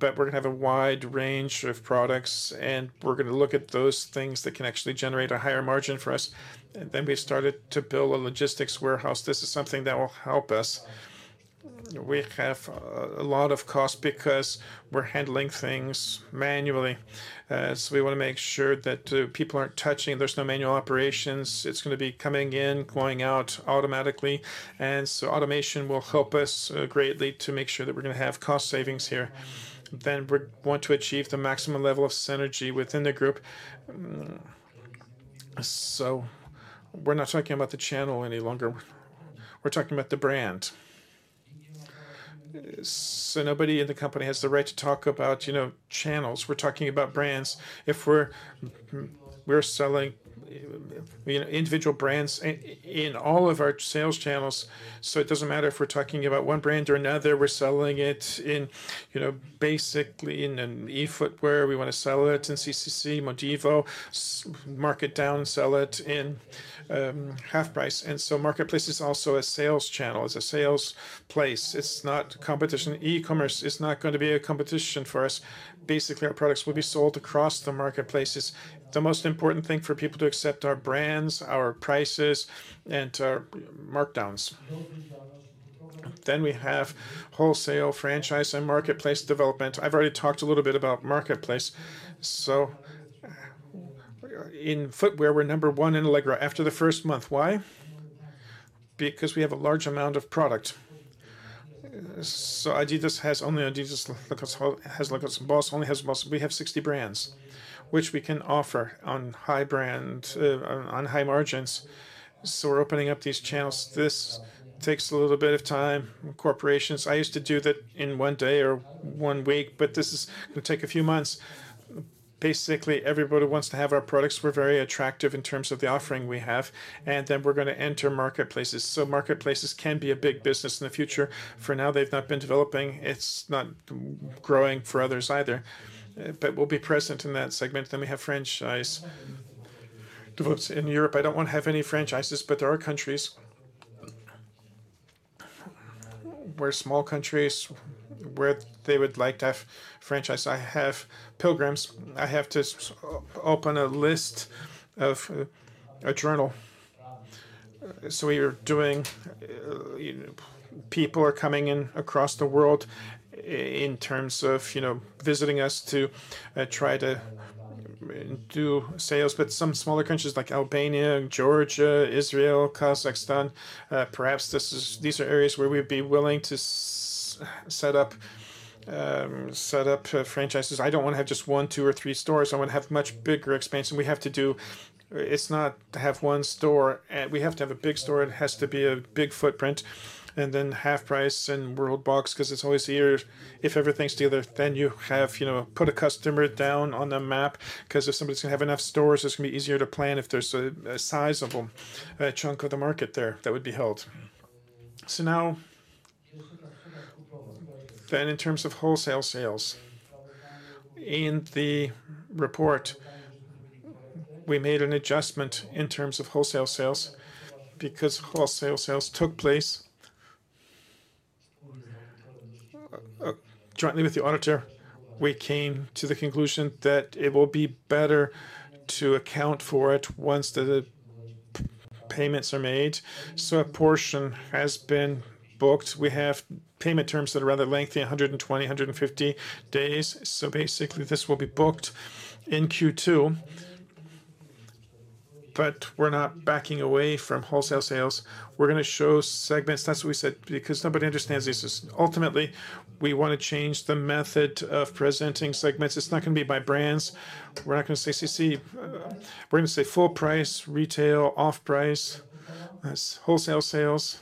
We are going to have a wide range of products. We are going to look at those things that can actually generate a higher margin for us. We have started to build a logistics warehouse. This is something that will help us. We have a lot of costs because we're handling things manually. We want to make sure that people aren't touching. There's no manual operations. It's going to be coming in, going out automatically. Automation will help us greatly to make sure that we're going to have cost savings here. We want to achieve the maximum level of synergy within the group. We're not talking about the channel any longer. We're talking about the brand. Nobody in the company has the right to talk about channels. We're talking about brands. If we're selling individual brands in all of our sales channels, it doesn't matter if we're talking about one brand or another. We're selling it basically in eFootwearl. We want to sell it in CCC, Modivo, markdown, sell it in HalfPrice. Marketplace is also a sales channel, is a sales place. It's not competition. E-commerce is not going to be a competition for us. Basically, our products will be sold across the marketplaces. The most important thing for people to accept are brands, our prices, and our markdowns. We have wholesale, franchise, and marketplace development. I've already talked a little bit about marketplace. In footwear, we're number one in Allegro after the first month. Why? Because we have a large amount of product. Adidas has only Adidas, Boss only has Boss. We have 60 brands, which we can offer on high margins. We're opening up these channels. This takes a little bit of time. Corporations. I used to do that in one day or one week, but this is going to take a few months. Basically, everybody wants to have our products. We're very attractive in terms of the offering we have. We are going to enter marketplaces. Marketplaces can be a big business in the future. For now, they've not been developing. It's not growing for others either. We'll be present in that segment. We have franchise in Europe. I don't want to have any franchises, but there are countries, small countries, where they would like to have franchise. I have pilgrims. I have to open a list of a journal. We are doing, people are coming in across the world in terms of visiting us to try to do sales. Some smaller countries like Albania, Georgia, Israel, Kazakhstan, perhaps these are areas where we'd be willing to set up franchises. I don't want to have just one, two, or three stores. I want to have much bigger expansion. We have to do it, it's not to have one store. We have to have a big store. It has to be a big footprint. HalfPrice and WorldBox, because it's always either if everything's together, then you have put a customer down on the map, because if somebody's going to have enough stores, it's going to be easier to plan if there's a sizable chunk of the market there that would be held. In terms of wholesale sales, in the report, we made an adjustment in terms of wholesale sales because wholesale sales took place jointly with the auditor. We came to the conclusion that it will be better to account for it once the payments are made. A portion has been booked. We have payment terms that are rather lengthy, 120-150 days. Basically, this will be booked in Q2. We're not backing away from wholesale sales. We're going to show segments. That's what we said because nobody understands this. Ultimately, we want to change the method of presenting segments. It's not going to be by brands. We're not going to say CCC. We're going to say full price, retail, off price, wholesale sales,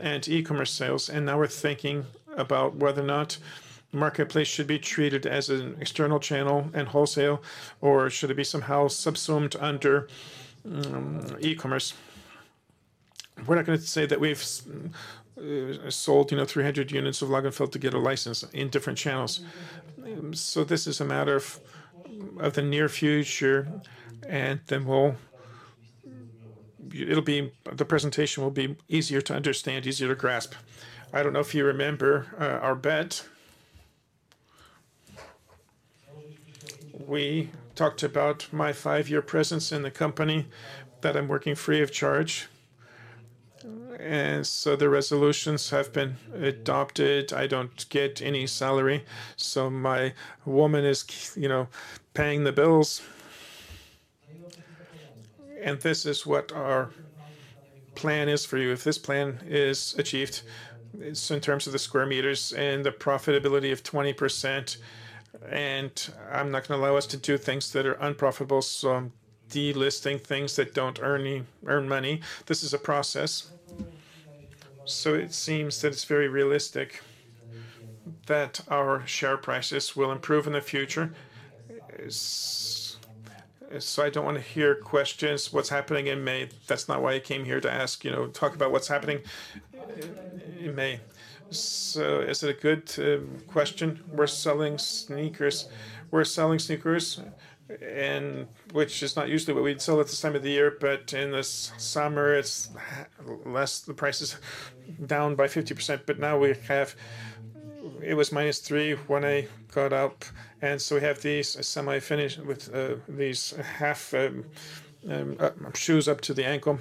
and e-commerce sales. Now we're thinking about whether or not the marketplace should be treated as an external channel and wholesale, or should it be somehow subsumed under e-commerce. We're not going to say that we've sold 300 units of Logan Field to get a license in different channels. This is a matter of the near future. Then the presentation will be easier to understand, easier to grasp. I don't know if you remember our bet. We talked about my five-year presence in the company, that I'm working free of charge. The resolutions have been adopted. I don't get any salary. My woman is paying the bills. This is what our plan is for you. If this plan is achieved, it's in terms of the square meters and the profitability of 20%. I'm not going to allow us to do things that are unprofitable, so I'm delisting things that don't earn money. This is a process. It seems that it's very realistic that our share prices will improve in the future. I don't want to hear questions. What's happening in May? That's not why I came here to ask. Talk about what's happening in May. Is it a good question? We're selling sneakers. We're selling sneakers, which is not usually what we'd sell at the time of the year, but in this summer, the price is down by 50%. Now we have, it was minus three when I got up. We have these semi-finished with these half shoes up to the ankle.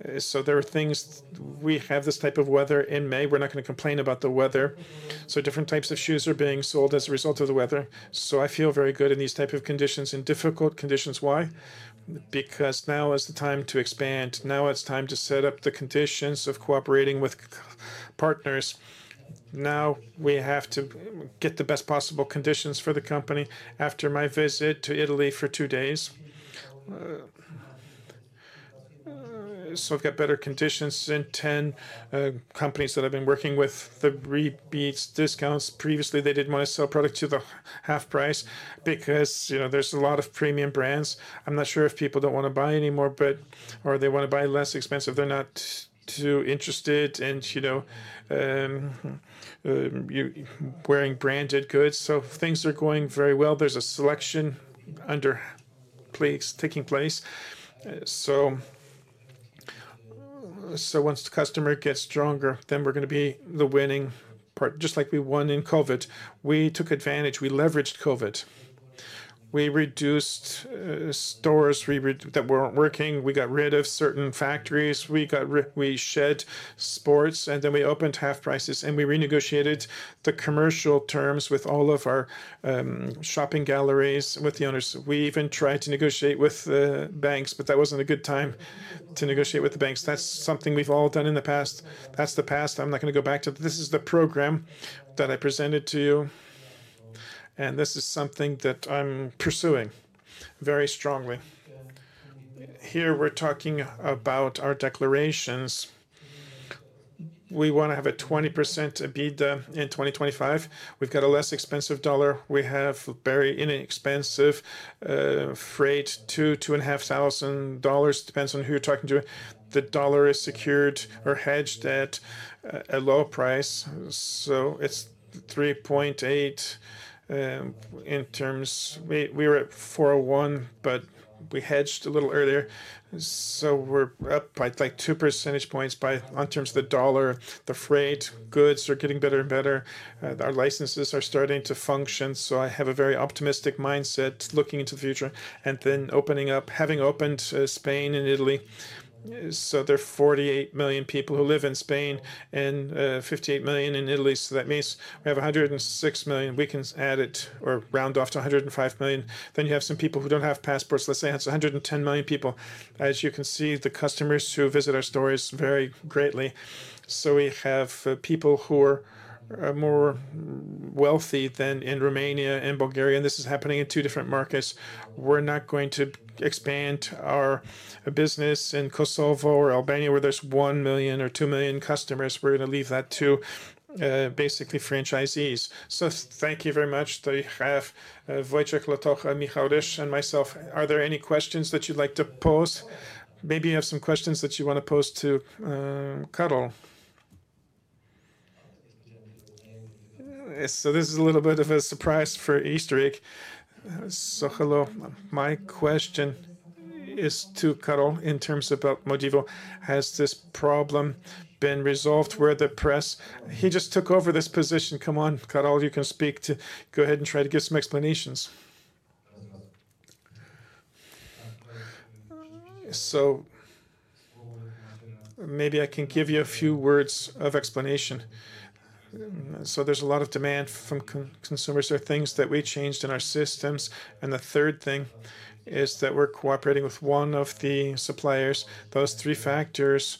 There are things. We have this type of weather in May. We're not going to complain about the weather. Different types of shoes are being sold as a result of the weather. I feel very good in these types of conditions, in difficult conditions. Why? Because now is the time to expand. Now it's time to set up the conditions of cooperating with partners. Now we have to get the best possible conditions for the company. After my visit to Italy for two days, I’ve got better conditions in 10 companies that I’ve been working with. The rebates, discounts, previously they didn’t want to sell products to the HalfPrice because there’s a lot of premium brands. I’m not sure if people don’t want to buy anymore, or they want to buy less expensive. They’re not too interested in wearing branded goods. Things are going very well. There’s a selection under taking place. Once the customer gets stronger, then we’re going to be the winning part, just like we won in COVID. We took advantage. We leveraged COVID. We reduced stores that weren’t working. We got rid of certain factories. We shed sports, and then we opened HalfPrice, and we renegotiated the commercial terms with all of our shopping galleries, with the owners. We even tried to negotiate with the banks, but that was not a good time to negotiate with the banks. That is something we have all done in the past. That is the past. I am not going to go back to it. This is the program that I presented to you, and this is something that I am pursuing very strongly. Here we are talking about our declarations. We want to have a 20% EBITDA in 2025. We have got a less expensive dollar. We have very inexpensive freight, $2,000-$2,500. Depends on who you are talking to. The dollar is secured or hedged at a low price. So it is 3.8 in terms. We were at 4.1, but we hedged a little earlier. So we are up by like two percentage points in terms of the dollar. The freight goods are getting better and better. Our licenses are starting to function. I have a very optimistic mindset looking into the future and then opening up, having opened Spain and Italy. There are 48 million people who live in Spain and 58 million in Italy. That means we have 106 million. We can add it or round off to 105 million. Then you have some people who do not have passports. Let's say it is 110 million people. As you can see, the customers who visit our stores vary greatly. We have people who are more wealthy than in Romania and Bulgaria. This is happening in two different markets. We are not going to expand our business in Kosovo or Albania, where there are 1 million or 2 million customers. We are going to leave that to basically franchisees. Thank you very much. We have Wojciech Latocha, Michał Ryś, and myself. Are there any questions that you would like to pose? Maybe you have some questions that you want to pose to Karol. This is a little bit of a surprise, an Easter egg. Hello. My question is to Karol in terms of Modivo. Has this problem been resolved? Where the press? He just took over this position. Come on, Karol, you can speak. Go ahead and try to give some explanations. Maybe I can give you a few words of explanation. There is a lot of demand from consumers. There are things that we changed in our systems. The third thing is that we are cooperating with one of the suppliers. Those three factors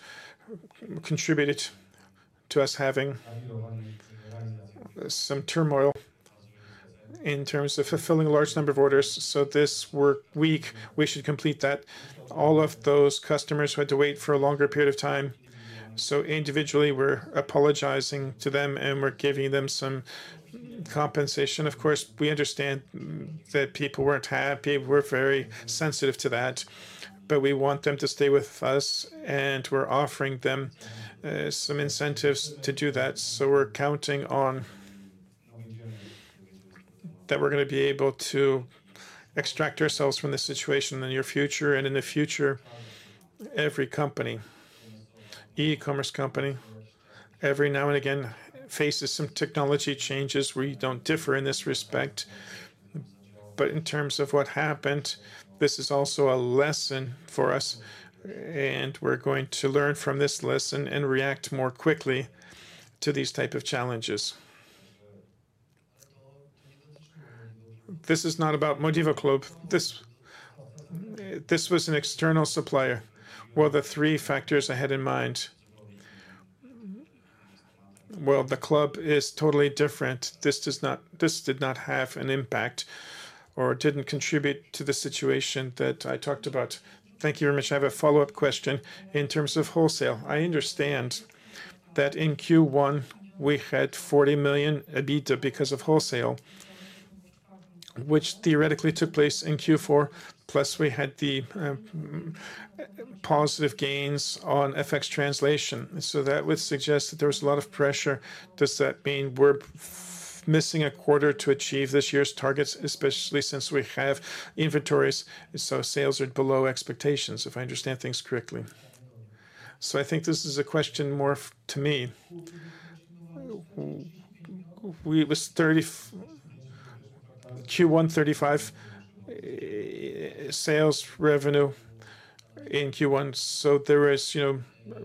contributed to us having some turmoil in terms of fulfilling a large number of orders. This work week, we should complete that. All of those customers who had to wait for a longer period of time. Individually, we're apologizing to them and we're giving them some compensation. Of course, we understand that people weren't happy. We're very sensitive to that. We want them to stay with us, and we're offering them some incentives to do that. We're counting on that we're going to be able to extract ourselves from this situation in the near future. In the future, every company, e-commerce company, every now and again faces some technology changes. We don't differ in this respect. In terms of what happened, this is also a lesson for us. We're going to learn from this lesson and react more quickly to these types of challenges. This is not about Modivo Club. This was an external supplier. The three factors I had in mind. The club is totally different. This did not have an impact or did not contribute to the situation that I talked about. Thank you very much. I have a follow-up question in terms of wholesale. I understand that in Q1, we had 40 million EBITDA because of wholesale, which theoretically took place in Q4. Plus, we had the positive gains on FX translation. That would suggest that there was a lot of pressure. Does that mean we are missing a quarter to achieve this year's targets, especially since we have inventories? Sales are below expectations, if I understand things correctly? I think this is a question more to me. Q1, 35 million sales revenue in Q1. There was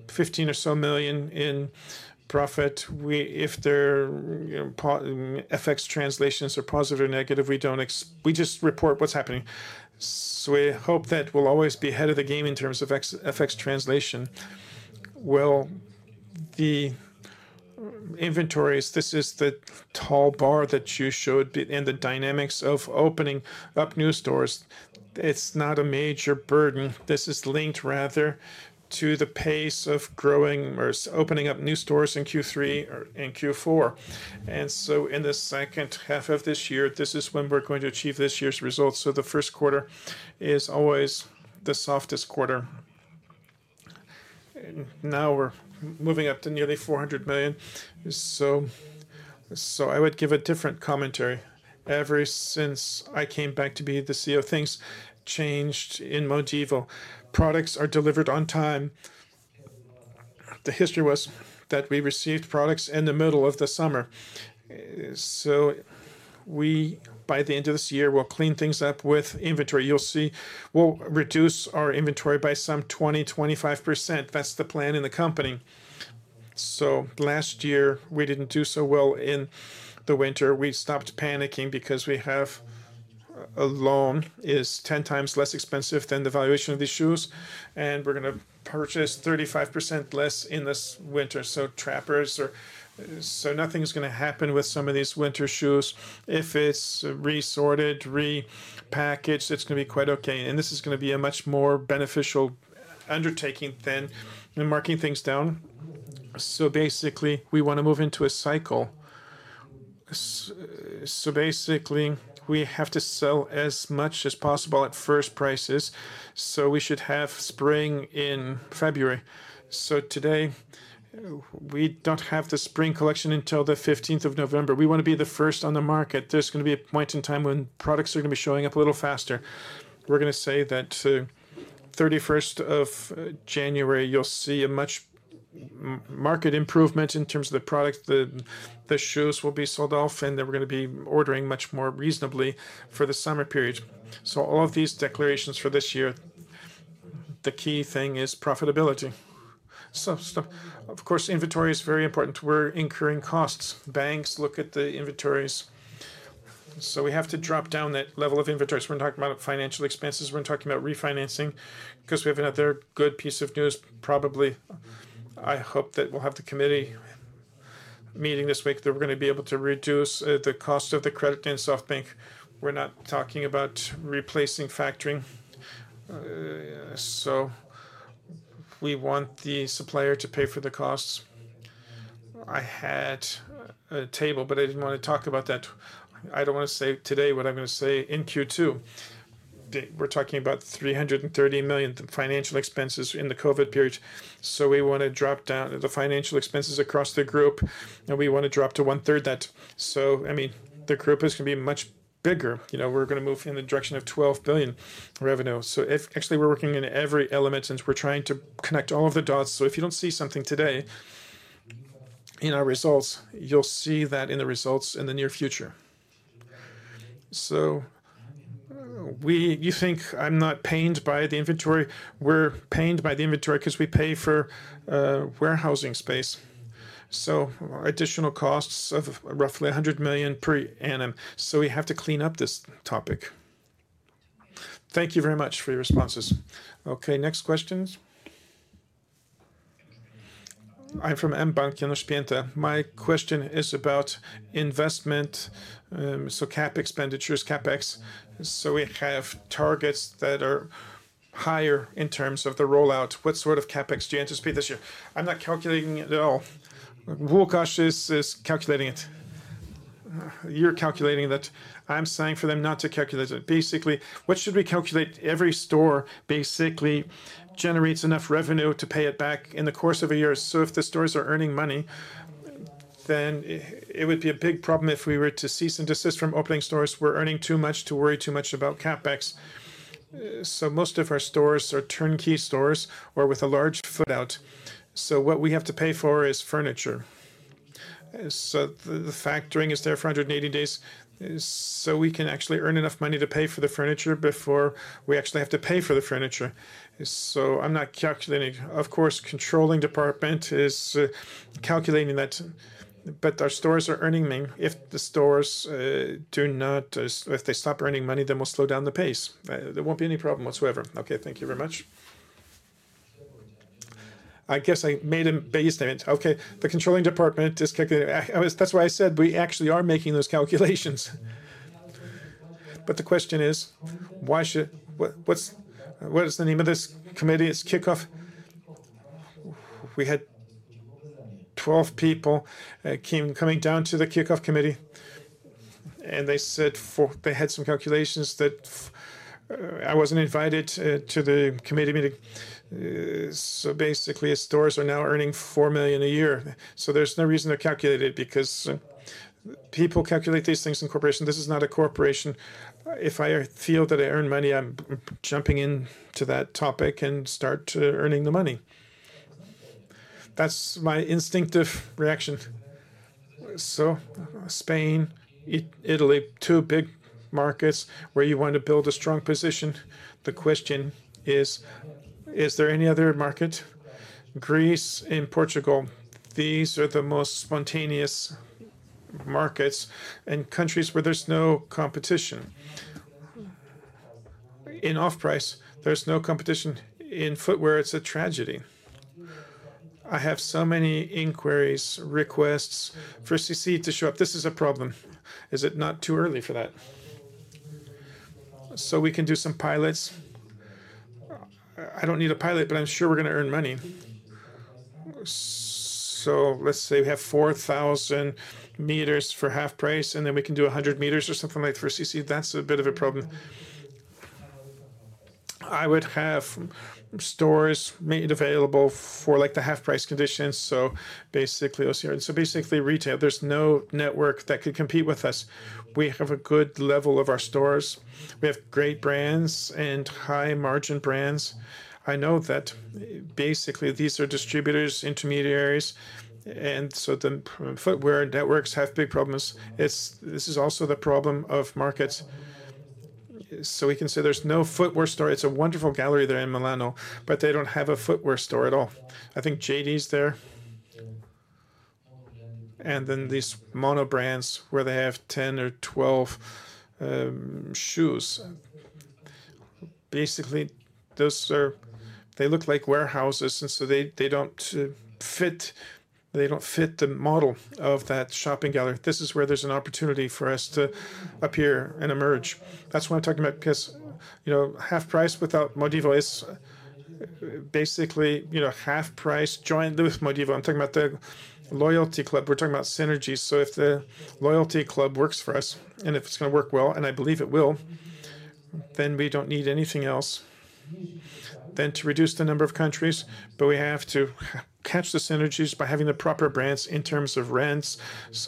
15 million or so in profit. If the FX translations are positive or negative, we just report what is happening. We hope that we will always be ahead of the game in terms of FX translation. The inventories, this is the tall bar that you showed in the dynamics of opening up new stores. It's not a major burden. This is linked rather to the pace of growing or opening up new stores in Q3 and Q4. In the second half of this year, this is when we're going to achieve this year's results. The first quarter is always the softest quarter. Now we're moving up to nearly 400 million. I would give a different commentary. Ever since I came back to be the CEO, things changed in Modivo. Products are delivered on time. The history was that we received products in the middle of the summer. By the end of this year, we'll clean things up with inventory. You'll see we'll reduce our inventory by some 20-25%. That's the plan in the company. Last year, we didn't do so well in the winter. We stopped panicking because we have a loan that is 10 times less expensive than the valuation of these shoes. We're going to purchase 35% less in this winter. Trappers or so, nothing's going to happen with some of these winter shoes. If it's resorted, repackaged, it's going to be quite okay. This is going to be a much more beneficial undertaking than marking things down. Basically, we want to move into a cycle. Basically, we have to sell as much as possible at first prices. We should have spring in February. Today, we don't have the spring collection until the 15th of November. We want to be the first on the market. There's going to be a point in time when products are going to be showing up a little faster. We're going to say that 31st of January, you'll see a much market improvement in terms of the product. The shoes will be sold off, and they're going to be ordering much more reasonably for the summer period. All of these declarations for this year, the key thing is profitability. Of course, inventory is very important. We're incurring costs. Banks look at the inventories. We have to drop down that level of inventories. We're not talking about financial expenses. We're talking about refinancing because we have another good piece of news. Probably, I hope that we'll have the committee meeting this week. They're going to be able to reduce the cost of the credit and SoftBank. We're not talking about replacing factoring. We want the supplier to pay for the costs. I had a table, but I didn't want to talk about that. I don't want to say today what I'm going to say in Q2. We're talking about 330 million financial expenses in the COVID period. We want to drop down the financial expenses across the group, and we want to drop to one-third that. I mean, the group is going to be much bigger. We're going to move in the direction of 12 billion revenue. Actually, we're working in every element since we're trying to connect all of the dots. If you don't see something today in our results, you'll see that in the results in the near future. You think I'm not pained by the inventory? We're pained by the inventory because we pay for warehousing space. Additional costs of roughly 100 million per annum. We have to clean up this topic. Thank you very much for your responses. Okay, next questions. I'm from mBank, Janusz Pięta. My question is about investment, so capital expenditures, CapEx. We have targets that are higher in terms of the rollout. What sort of CapEx do you anticipate this year? I'm not calculating it at all. Łukasz is calculating it. You're calculating that. I'm saying for them not to calculate it. Basically, what should we calculate? Every store basically generates enough revenue to pay it back in the course of a year. If the stores are earning money, then it would be a big problem if we were to cease and desist from opening stores. We're earning too much to worry too much about CapEx. Most of our stores are turnkey stores or with a large fit-out. What we have to pay for is furniture. The factoring is there for 180 days. We can actually earn enough money to pay for the furniture before we actually have to pay for the furniture. I'm not calculating. Of course, the controlling department is calculating that. Our stores are earning money. If the stores do not, if they stop earning money, then we'll slow down the pace. There won't be any problem whatsoever. Okay, thank you very much. I guess I made a big statement. The controlling department is calculating. That's why I said we actually are making those calculations. The question is, what's the name of this committee? It's Kickoff. We had 12 people coming down to the Kickoff committee. They said they had some calculations that I wasn't invited to the committee meeting. Basically, stores are now earning 4 million a year. There's no reason to calculate it because people calculate these things in corporations. This is not a corporation. If I feel that I earn money, I'm jumping into that topic and start earning the money. That's my instinctive reaction. Spain, Italy, two big markets where you want to build a strong position. The question is, is there any other market? Greece and Portugal. These are the most spontaneous markets and countries where there's no competition. In off-price, there's no competition. In footwear, it's a tragedy. I have so many inquiries, requests for CCC to show up. This is a problem. Is it not too early for that? We can do some pilots. I don't need a pilot, but I'm sure we're going to earn money. Let's say we have 4,000 sq m for HalfPrice, and then we can do 100 sq m or something like for CCC. That's a bit of a problem. I would have stores made available for like the HalfPrice conditions. Basically, OCR. Basically, retail. There is no network that could compete with us. We have a good level of our stores. We have great brands and high-margin brands. I know that basically these are distributors, intermediaries. The footwear networks have big problems. This is also the problem of markets. We can say there is no footwear store. It is a wonderful gallery there in Milan, but they do not have a footwear store at all. I think JD is there. These mono brands where they have 10 or 12 shoes basically look like warehouses, and they do not fit the model of that shopping gallery. This is where there is an opportunity for us to appear and emerge. That is why I am talking about it, because HalfPrice without Modivo is basically HalfPrice joint with Modivo. I'm talking about the loyalty club. We're talking about synergy. If the loyalty club works for us, and if it's going to work well, and I believe it will, then we don't need anything else than to reduce the number of countries. We have to catch the synergies by having the proper brands in terms of rents,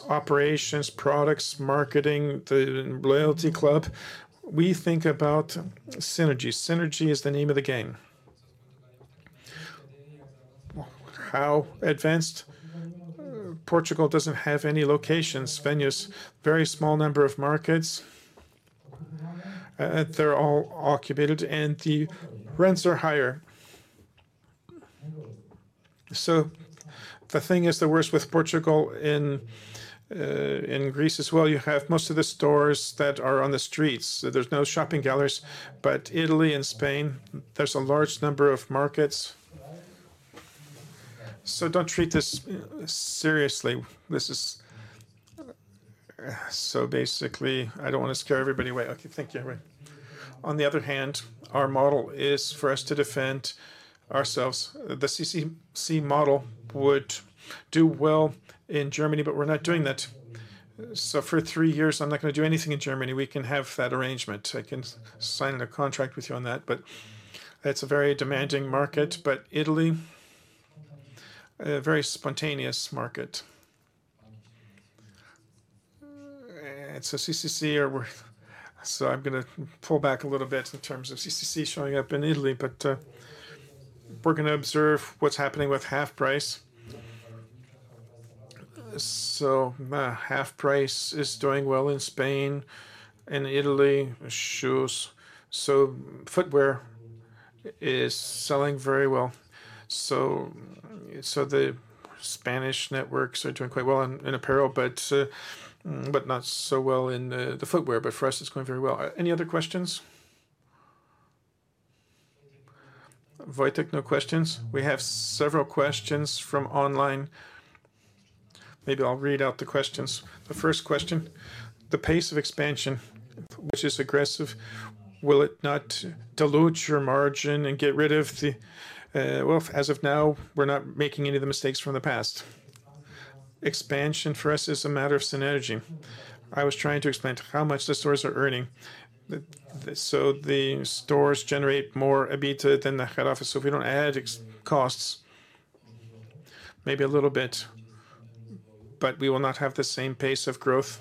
operations, products, marketing, the loyalty club. We think about synergy. Synergy is the name of the game. How advanced? Portugal doesn't have any locations, venues, very small number of markets. They're all occupied, and the rents are higher. The thing is, the worst with Portugal and Greece as well, you have most of the stores that are on the streets. There's no shopping galleries. Italy and Spain, there's a large number of markets. Don't treat this seriously. This is so basically, I don't want to scare everybody away. Okay, thank you. On the other hand, our model is for us to defend ourselves. The CCC model would do well in Germany, but we're not doing that. For three years, I'm not going to do anything in Germany. We can have that arrangement. I can sign a contract with you on that, but it's a very demanding market. Italy, a very spontaneous market. It's a CCC, so I'm going to pull back a little bit in terms of CCC showing up in Italy, but we're going to observe what's happening with HalfPrice. HalfPrice is doing well in Spain, in Italy, shoes. EFootwear is selling very well. The Spanish networks are doing quite well in apparel, but not so well in the eFootwear. For us, it's going very well. Any other questions? Wojciech, no questions? We have several questions from online. Maybe I'll read out the questions. The first question, the pace of expansion, which is aggressive. Will it not dilute your margin and get rid of the? As of now, we're not making any of the mistakes from the past. Expansion for us is a matter of synergy. I was trying to explain how much the stores are earning. So the stores generate more EBITDA than the head office. If we don't add costs, maybe a little bit, but we will not have the same pace of growth.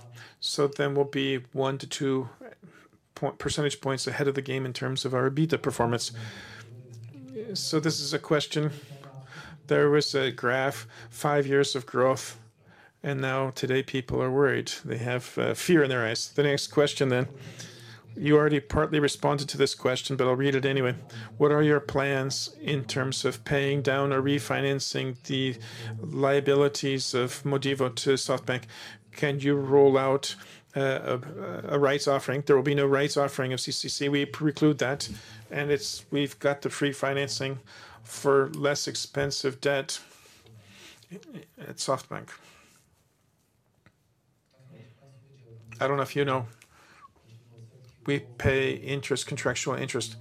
Then we'll be one to two percentage points ahead of the game in terms of our EBITDA performance. This is a question. There was a graph, five years of growth, and now today people are worried? They have fear in their eyes. The next question then, you already partly responded to this question, but I'll read it anyway. What are your plans in terms of paying down or refinancing the liabilities of Modivo to SoftBank? Can you roll out a rights offering? There will be no rights offering of CCC. We preclude that. And we've got the free financing for less expensive debt at SoftBank. I don't know if you know. We pay interest, contractual interest.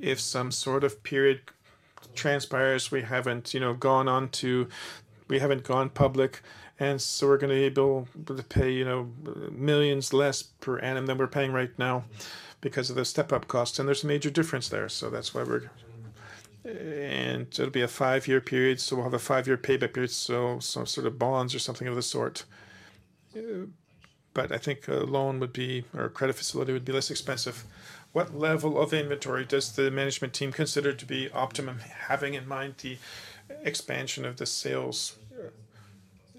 If some sort of period transpires, we haven't gone on to, we haven't gone public. We're going to be able to pay millions less per annum than we're paying right now because of the step-up cost. There's a major difference there. That's why we're, and it'll be a five-year period. We'll have a five-year payback period. Some sort of bonds or something of the sort. I think a loan would be, or a credit facility would be less expensive. What level of inventory does the management team consider to be optimum, having in mind the expansion of the sales?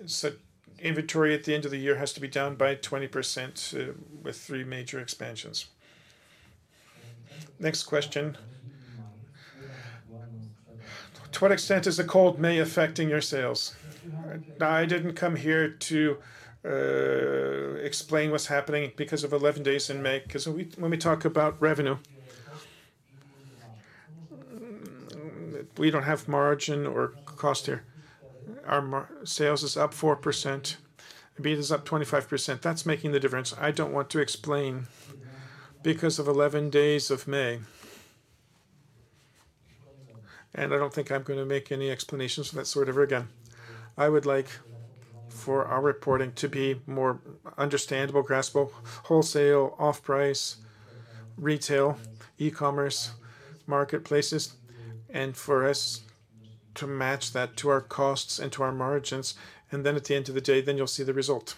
So inventory at the end of the year has to be down by 20% with three major expansions. Next question. To what extent is the cold May affecting your sales? I did not come here to explain what is happening because of 11 days in May. Because when we talk about revenue, we do not have margin or cost here. Our sales is up 4%. EBITDA is up 25%. That is making the difference. I do not want to explain because of 11 days of May. I do not think I am going to make any explanations for that sort of reason. I would like for our reporting to be more understandable, graspable, wholesale, off-price, retail, e-commerce, marketplaces, and for us to match that to our costs and to our margins. At the end of the day, then you'll see the result.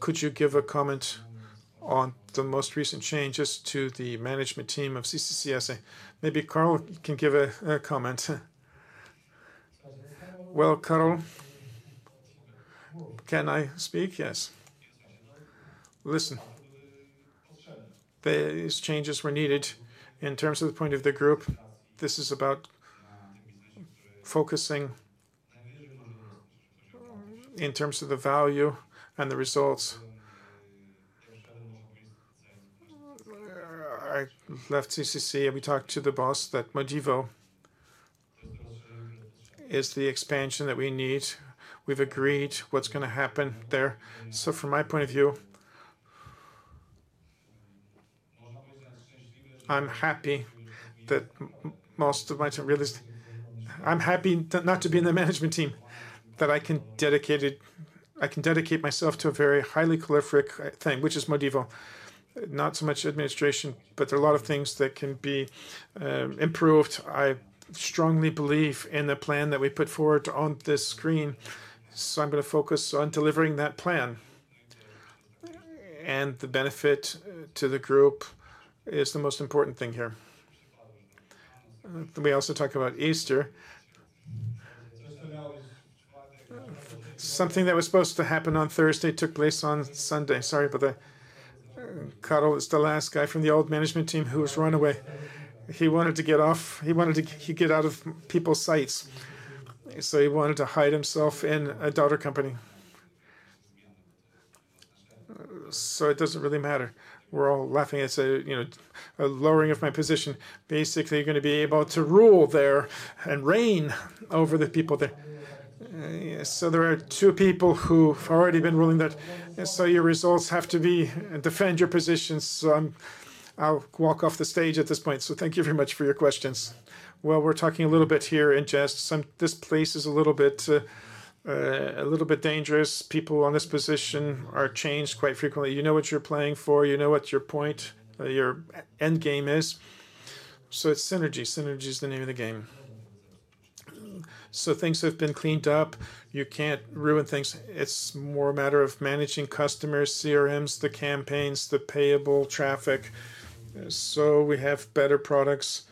Could you give a comment on the most recent changes to the management team of CCC? Maybe Karol can give a comment. Karol? Can I speak? Yes. Listen, these changes were needed in terms of the point of the group. This is about focusing in terms of the value and the results. I left CCC and we talked to the boss that Modivo is the expansion that we need. We've agreed what's going to happen there. From my point of view, I'm happy that most of my time, I'm happy not to be in the management team, that I can dedicate myself to a very highly prolific thing, which is Modivo. Not so much administration, but there are a lot of things that can be improved. I strongly believe in the plan that we put forward on this screen. I am going to focus on delivering that plan. The benefit to the group is the most important thing here. We also talk about Easter. Something that was supposed to happen on Thursday took place on Sunday. Sorry, but Karol is the last guy from the old management team who has run away. He wanted to get off. He wanted to get out of people's sights. He wanted to hide himself in a daughter company. It does not really matter. We are all laughing. It is a lowering of my position. Basically, you are going to be able to rule there and reign over the people there. There are two people who have already been ruling that. Your results have to be and defend your positions. I will walk off the stage at this point. Thank you very much for your questions. We're talking a little bit here in jest. This place is a little bit dangerous. People in this position are changed quite frequently. You know what you're playing for. You know what your point, your end game is. It's synergy. Synergy is the name of the game. Things have been cleaned up. You can't ruin things. It's more a matter of managing customers, CRMs, the campaigns, the payable traffic. We have better products.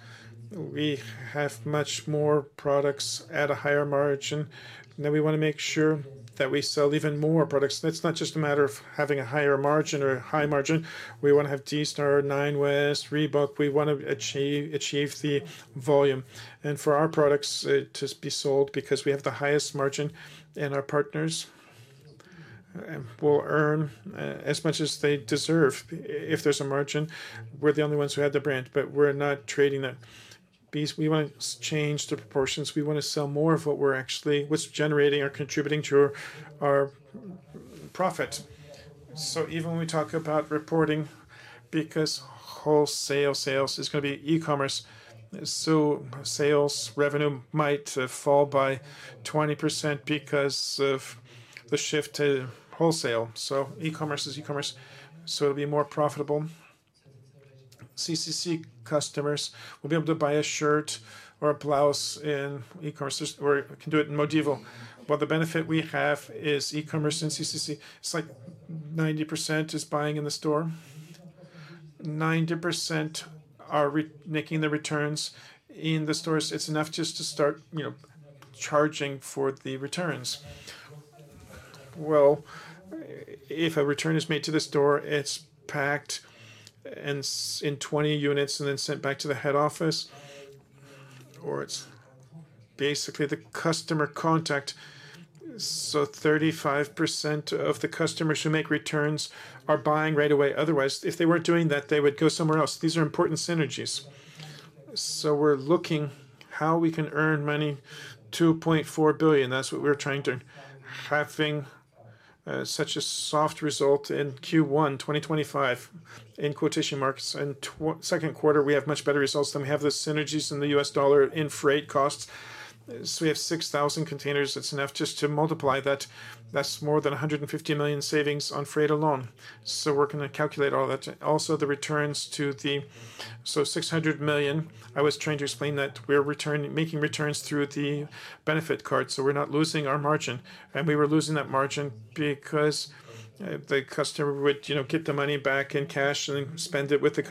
We have much more products at a higher margin. Now we want to make sure that we sell even more products. It's not just a matter of having a higher margin or a high margin. We want to have Deezer, Nine West, Reebok. We want to achieve the volume. For our products to be sold because we have the highest margin and our partners will earn as much as they deserve if there's a margin. We're the only ones who have the brand, but we're not trading that. We want to change the proportions. We want to sell more of what we're actually generating or contributing to our profit. Even when we talk about reporting, because wholesale sales is going to be e-commerce, sales revenue might fall by 20% because of the shift to wholesale. E-commerce is e-commerce. It'll be more profitable. CCC customers will be able to buy a shirt or a blouse in e-commerce or can do it in Modivo. The benefit we have is e-commerce and CCC. It's like 90% is buying in the store. 90% are making the returns in the stores. It's enough just to start charging for the returns. If a return is made to the store, it's packed in 20 units and then sent back to the head office, or it's basically the customer contact. 35% of the customers who make returns are buying right away. Otherwise, if they weren't doing that, they would go somewhere else. These are important synergies. We're looking how we can earn money. 2.4 billion. That's what we're trying to earn. Having such a soft result in Q1 2025, in quotation marks. In second quarter, we have much better results than we have the synergies in the US dollar in freight costs. We have 6,000 containers. It's enough just to multiply that. That's more than $150 million savings on freight alone. We're going to calculate all that. Also, the returns to the, so 600 million. I was trying to explain that we're making returns through the benefit card. We're not losing our margin. We were losing that margin because the customer would get the money back in cash and then spend it with the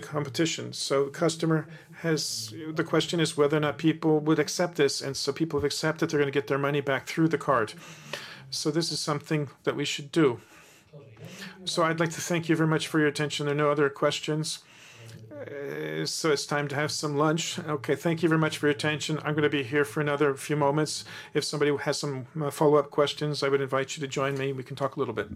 competition. The customer has, the question is whether or not people would accept this. People have accepted they're going to get their money back through the card. This is something that we should do. I'd like to thank you very much for your attention. There are no other questions. It's time to have some lunch. Thank you very much for your attention. I'm going to be here for another few moments. If somebody has some follow-up questions, I would invite you to join me. We can talk a little bit.